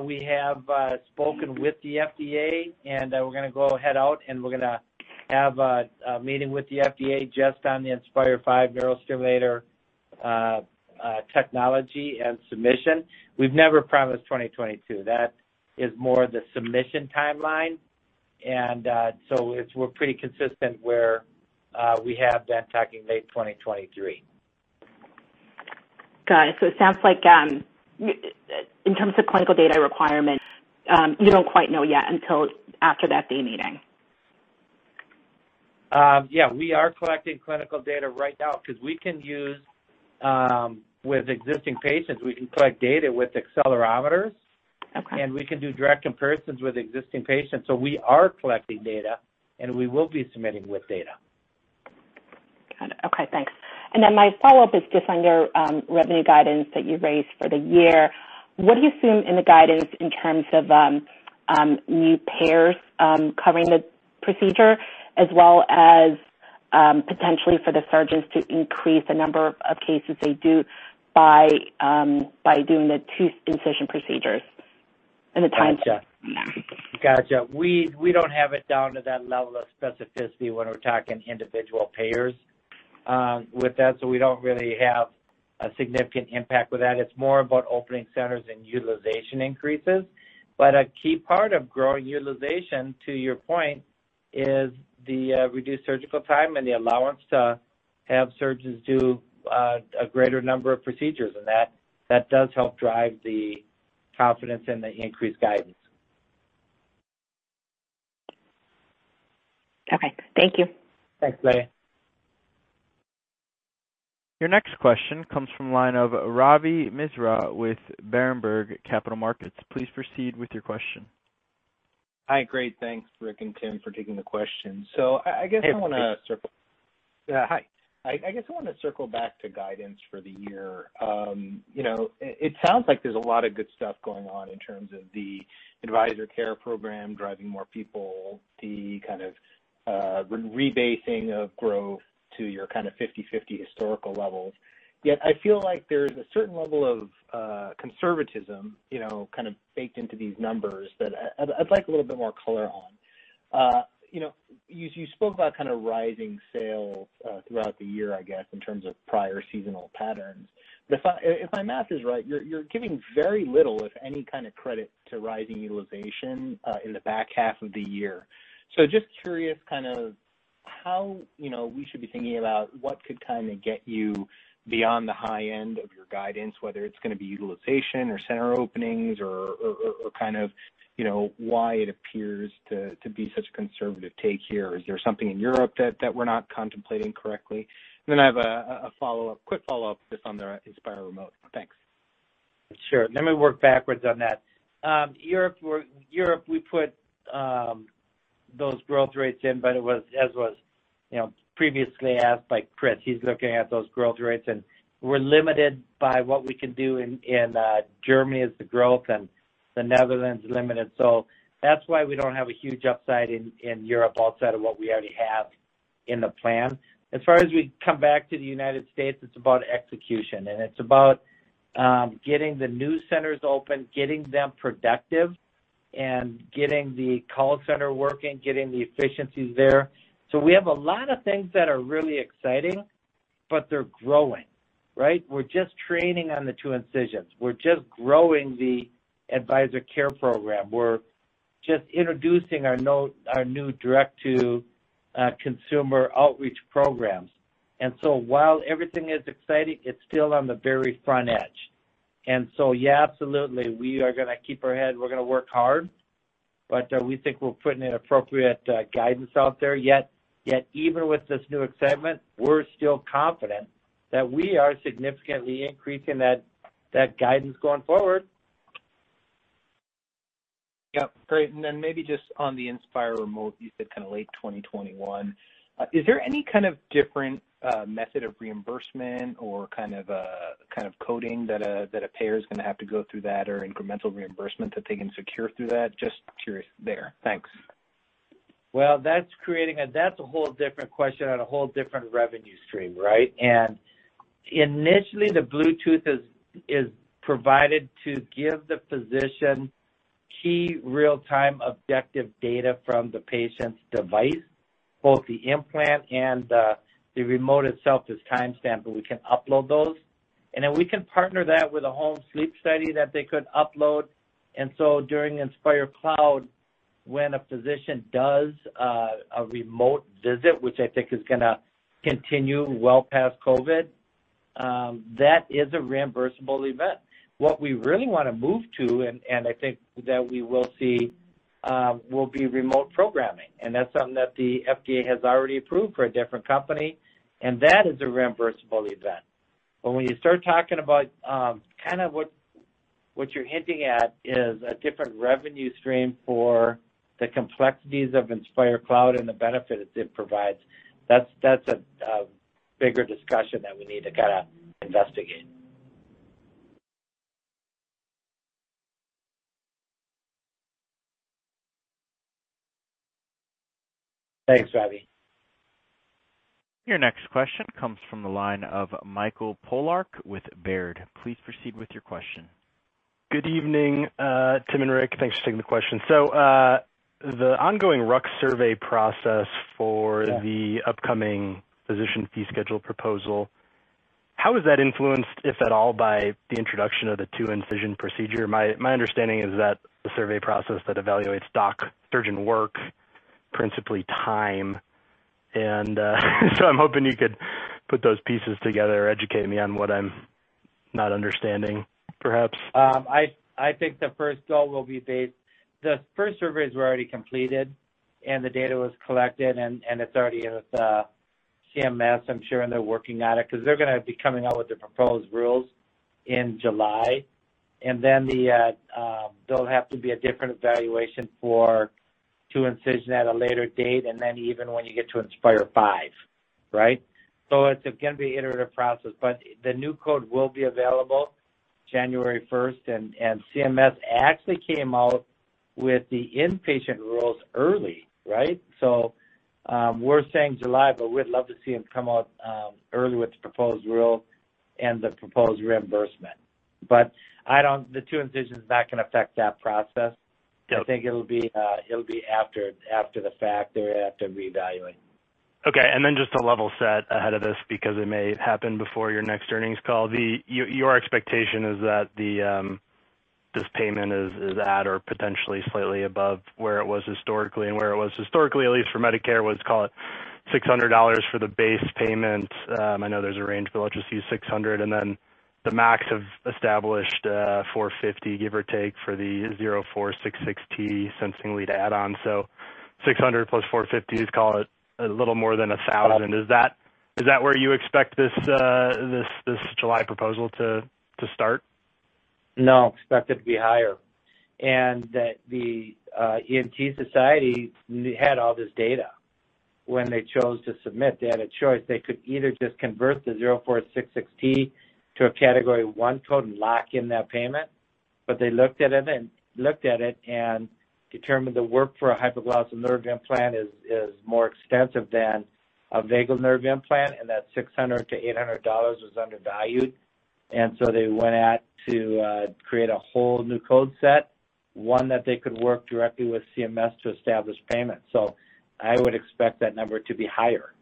We have spoken with the FDA, and we're going to go head out, and we're going to have a meeting with the FDA just on the Inspire V neurostimulator technology and submission. We've never promised 2022. That is more the submission timeline. We're pretty consistent where we have been talking late 2023. Got it. It sounds like, in terms of clinical data requirements, you don't quite know yet until after that day meeting. Yeah. We are collecting clinical data right now because we can use, with existing patients, we can collect data with accelerometers. Okay. We can do direct comparisons with existing patients. We are collecting data, and we will be submitting with data. Got it. Okay, thanks. My follow-up is just on your revenue guidance that you raised for the year. What do you assume in the guidance in terms of new payers covering the procedure as well as potentially for the surgeons to increase the number of cases they do by doing the two-incision procedures? Gotcha. We don't have it down to that level of specificity when we're talking individual payers with that, so we don't really have a significant impact with that. It's more about opening centers and utilization increases. But a key part of growing utilization, to your point, is the reduced surgical time and the allowance to have surgeons do a greater number of procedures, and that does help drive the confidence and the increased guidance. Okay. Thank you. Thanks, Lei. Your next question comes from the line of Ravi Misra with Berenberg Capital Markets. Please proceed with your question. Hi. Great. Thanks, Rick and Tim, for taking the question. Hey, Ravi. Hi. I guess I want to circle back to guidance for the year. It sounds like there's a lot of good stuff going on in terms of the Advisor Care Program driving more people, the kind of rebasing of growth to your kind of 50/50 historical levels. Yet, I feel like there's a certain level of conservatism kind of baked into these numbers that I'd like a little bit more color on. You spoke about kind of rising sales throughout the year, I guess, in terms of prior seasonal patterns. If my math is right, you're giving very little, if any, kind of credit to rising utilization in the back half of the year. Just curious kind of how we should be thinking about what could kind of get you beyond the high end of your guidance, whether it's going to be utilization or center openings or kind of why it appears to be such a conservative take here. Is there something in Europe that we're not contemplating correctly? I have a quick follow-up just on the Inspire remote. Thanks. Sure. Let me work backwards on that. As was previously asked by Chris, he's looking at those growth rates, and we're limited by what we can do in Germany as the growth and the Netherlands is limited. That's why we don't have a huge upside in Europe outside of what we already have in the plan. As far as we come back to the U.S., it's about execution, and it's about getting the new centers open, getting them productive, and getting the call center working, getting the efficiencies there. We have a lot of things that are really exciting, but they're growing, right? We're just training on the two incisions. We're just growing the Advisor Care Program. We're just introducing our new direct-to-consumer outreach programs. While everything is exciting, it's still on the very front edge. Yeah, absolutely, we are going to keep our head. We're going to work hard, but we think we're putting an appropriate guidance out there. Even with this new excitement, we're still confident that we are significantly increasing that guidance going forward. Yep, great. Maybe just on the Inspire remote, you said late 2021. Is there any kind of different method of reimbursement or kind of coding that a payer is going to have to go through that or incremental reimbursement that they can secure through that? Just curious there. Thanks. That's a whole different question and a whole different revenue stream, right? Initially, the Bluetooth is provided to give the physician key real-time objective data from the patient's device, both the implant and the remote itself is timestamped, and we can upload those. Then we can partner that with a home sleep study that they could upload. During Inspire Cloud, when a physician does a remote visit, which I think is going to continue well past COVID-19, that is a reimbursable event. What we really want to move to, and I think that we will see, will be remote programming. That's something that the FDA has already approved for a different company, and that is a reimbursable event. When you start talking about What you're hinting at is a different revenue stream for the complexities of Inspire Cloud and the benefit it provides. That's a bigger discussion that we need to investigate. Thanks, Ravi. Your next question comes from the line of Michael Polark with Baird. Please proceed with your question. Good evening, Tim and Rick. Thanks for taking the question. The ongoing RUC survey process for the- Yeah.... upcoming physician fee schedule proposal, how is that influenced, if at all, by the introduction of the two-incision procedure? My understanding is that the survey process that evaluates doc surgeon work, principally time, and so I'm hoping you could put those pieces together or educate me on what I'm not understanding, perhaps. The first surveys were already completed, and the data was collected, and it's already with CMS, I'm sure, and they're working on it because they're going to be coming out with the proposed rules in July. Then there'll have to be a different evaluation for two-incision at a later date, and then even when you get to Inspire V, right? It's going to be iterative process, but the new code will be available January 1st. CMS actually came out with the inpatient rules early, right? We're saying July, but we'd love to see them come out early with the proposed rule and the proposed reimbursement. The two incisions is not going to affect that process. Yep. I think it'll be after the fact. They're going to have to reevaluate. Just to level set ahead of this because it may happen before your next earnings call. Your expectation is that this payment is at or potentially slightly above where it was historically, and where it was historically, at least for Medicare, was, call it $600 for the base payment. I know there's a range, let's just use $600 and then the max of established $450, give or take, for the 0466T sensing lead add-on. $600 + $450, let's call it a little more than $1,000. Is that where you expect this July proposal to start? No. Expect it to be higher. That the ENT society had all this data. When they chose to submit, they had a choice. They could either just convert the 0466T to a category one code and lock in that payment, but they looked at it and determined the work for a hypoglossal nerve implant is more extensive than a vagal nerve implant, and that $600-$800 was undervalued. They went at to create a whole new code set, one that they could work directly with CMS to establish payment. I would expect that number to be higher.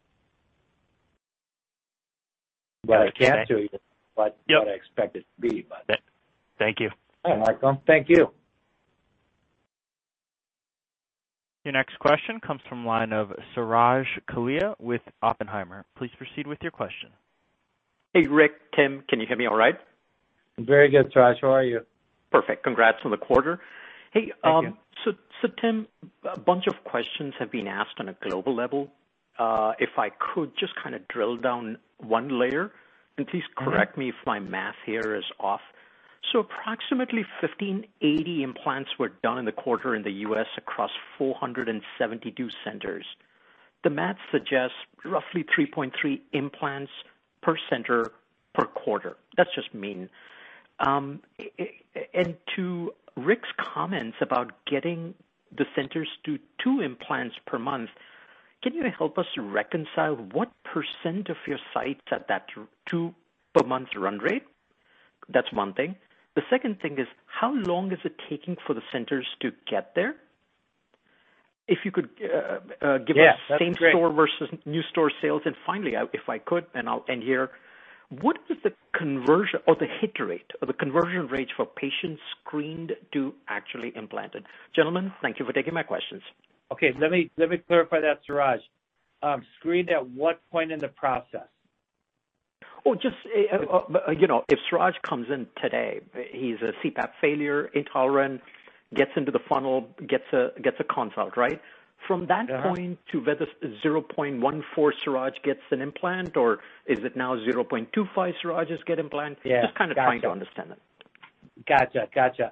I can't tell you what I expect it to be. Thank you. All right, Michael. Thank you. Your next question comes from the line of Suraj Kalia with Oppenheimer. Please proceed with your question. Hey, Rick, Tim. Can you hear me all right? Very good, Suraj. How are you? Perfect. Congrats on the quarter. Thank you. Hey, Tim, a bunch of questions have been asked on a global level. If I could just kind of drill down one layer, please correct me if my math here is off. Approximately 1,580 implants were done in the quarter in the U.S. across 472 centers. The math suggests roughly 3.3 implants per center per quarter. That's just mean. To Rick's comments about getting the centers to two implants per month, can you help us reconcile what percent of your sites are at that two per month run rate? That's one thing. The second thing is, how long is it taking for the centers to get there? Yeah, that's great. Same-store versus new-store sales. Finally, if I could, and I'll end here, what is the conversion or the hit rate or the conversion rate for patients screened to actually implanted? Gentlemen, thank you for taking my questions. Okay. Let me clarify that, Suraj. Screened at what point in the process? Oh, just if Suraj comes in today, he's a CPAP failure, intolerant, gets into the funnel, gets a consult, right? From that point to whether 0.14 Suraj gets an implant, or is it now 0.25 Surajs get implant? Yeah, got you. Just kind of trying to understand that. Got you.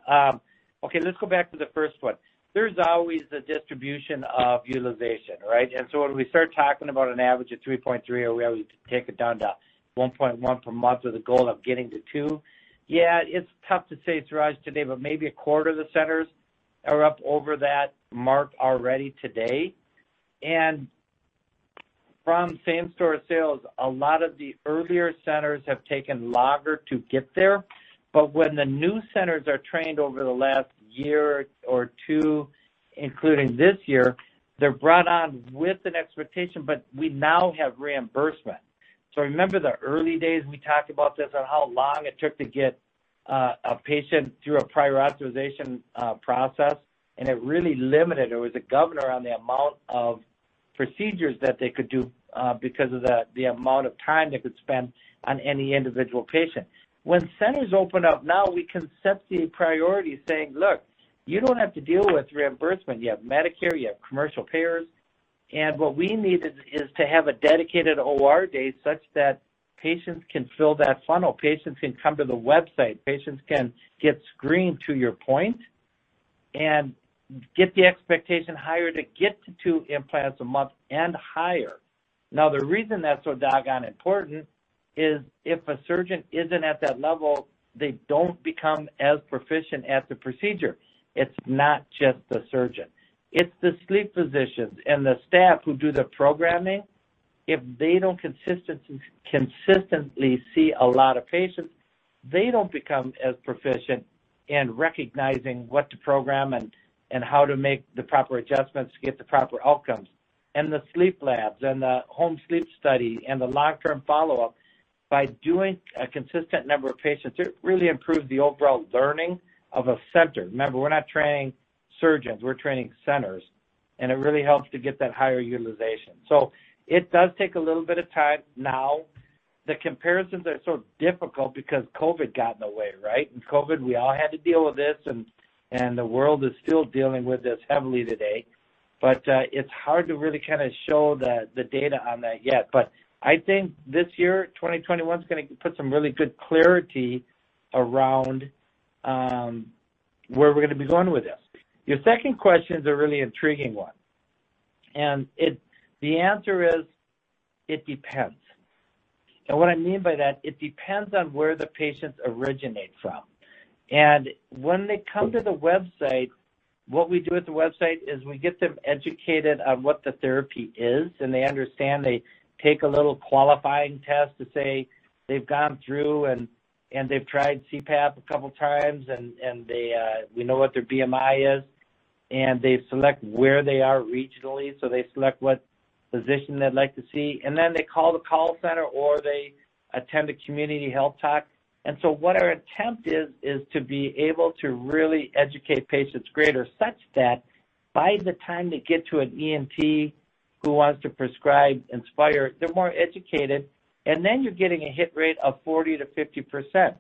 Okay, let's go back to the first one. There's always the distribution of utilization, right? When we start talking about an average of 3.3, or we take it down to 1.1 per month with a goal of getting to two, yeah, it's tough to say, Suraj, today, but maybe a quarter of the centers are up over that mark already today. From same-store sales, a lot of the earlier centers have taken longer to get there. When the new centers are trained over the last year or two, including this year, they're brought on with an expectation, but we now have reimbursement. Remember the early days, we talked about this and how long it took to get a patient through a prior authorization process, and it really limited or was a governor on the amount of procedures that they could do because of the amount of time they could spend on any individual patient. When centers open up now, we can set the priority saying, "Look, you don't have to deal with reimbursement. You have Medicare, you have commercial payers." What we need is to have a dedicated OR day such that patients can fill that funnel, patients can come to the website, patients can get screened, to your point, and get the expectation higher to get to two implants a month and higher. The reason that's so doggone important is if a surgeon isn't at that level, they don't become as proficient at the procedure. It's not just the surgeon. It's the sleep physicians and the staff who do the programming. If they don't consistently see a lot of patients, they don't become as proficient in recognizing what to program and how to make the proper adjustments to get the proper outcomes. The sleep labs and the home sleep study and the long-term follow-up, by doing a consistent number of patients, it really improves the overall learning of a center. Remember, we're not training surgeons, we're training centers, and it really helps to get that higher utilization. It does take a little bit of time now. The comparisons are so difficult because COVID-19 got in the way, right? In COVID-19, we all had to deal with this, and the world is still dealing with this heavily today. It's hard to really kind of show the data on that yet. I think this year, 2021, is going to put some really good clarity around where we're going to be going with this. Your second question is a really intriguing one. The answer is, it depends. What I mean by that, it depends on where the patients originate from. When they come to the website, what we do at the website is we get them educated on what the Inspire therapy is, and they understand. They take a little qualifying test to say they've gone through and they've tried CPAP a couple of times, and we know what their BMI is. They select where they are regionally, so they select what physician they'd like to see. They call the call center, or they attend a community health talk. What our attempt is to be able to really educate patients greater such that by the time they get to an ENT who wants to prescribe Inspire, they're more educated, you're getting a hit rate of 40%-50%.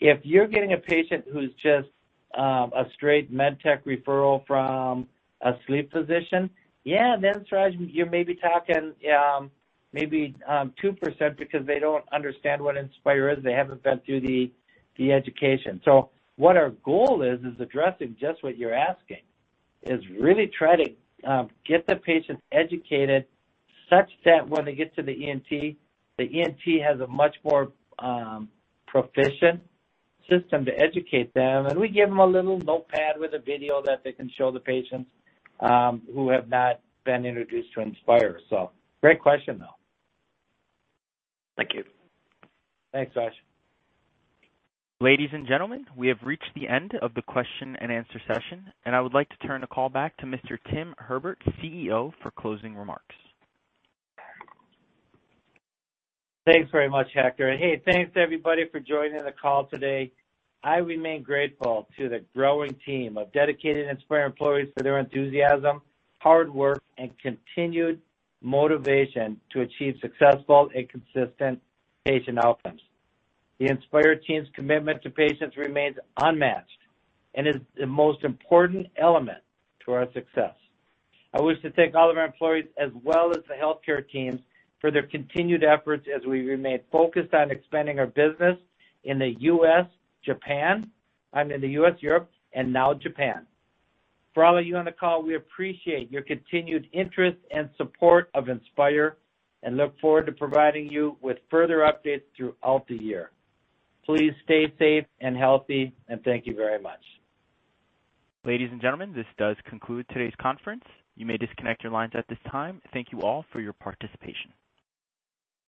If you're getting a patient who's just a straight medtech referral from a sleep physician, yeah, Suraj, you're maybe talking 2% because they don't understand what Inspire is. They haven't been through the education. What our goal is addressing just what you're asking, really to try to get the patient educated such that when they get to the ENT, the ENT has a much more proficient system to educate them. We give them a little notepad with a video that they can show the patients who have not been introduced to Inspire. Great question, though. Thank you. Thanks, Suraj. Ladies and gentlemen, we have reached the end of the question and answer session, and I would like to turn the call back to Mr. Tim Herbert, CEO, for closing remarks. Thanks very much, Hector. Hey, thanks everybody for joining the call today. I remain grateful to the growing team of dedicated Inspire employees for their enthusiasm, hard work, and continued motivation to achieve successful and consistent patient outcomes. The Inspire team's commitment to patients remains unmatched and is the most important element to our success. I wish to thank all of our employees as well as the healthcare teams for their continued efforts as we remain focused on expanding our business in the U.S., Europe, and now Japan. For all of you on the call, we appreciate your continued interest and support of Inspire and look forward to providing you with further updates throughout the year. Please stay safe and healthy. Thank you very much. Ladies and gentlemen, this does conclude today's conference. You may disconnect your lines at this time. Thank you all for your participation.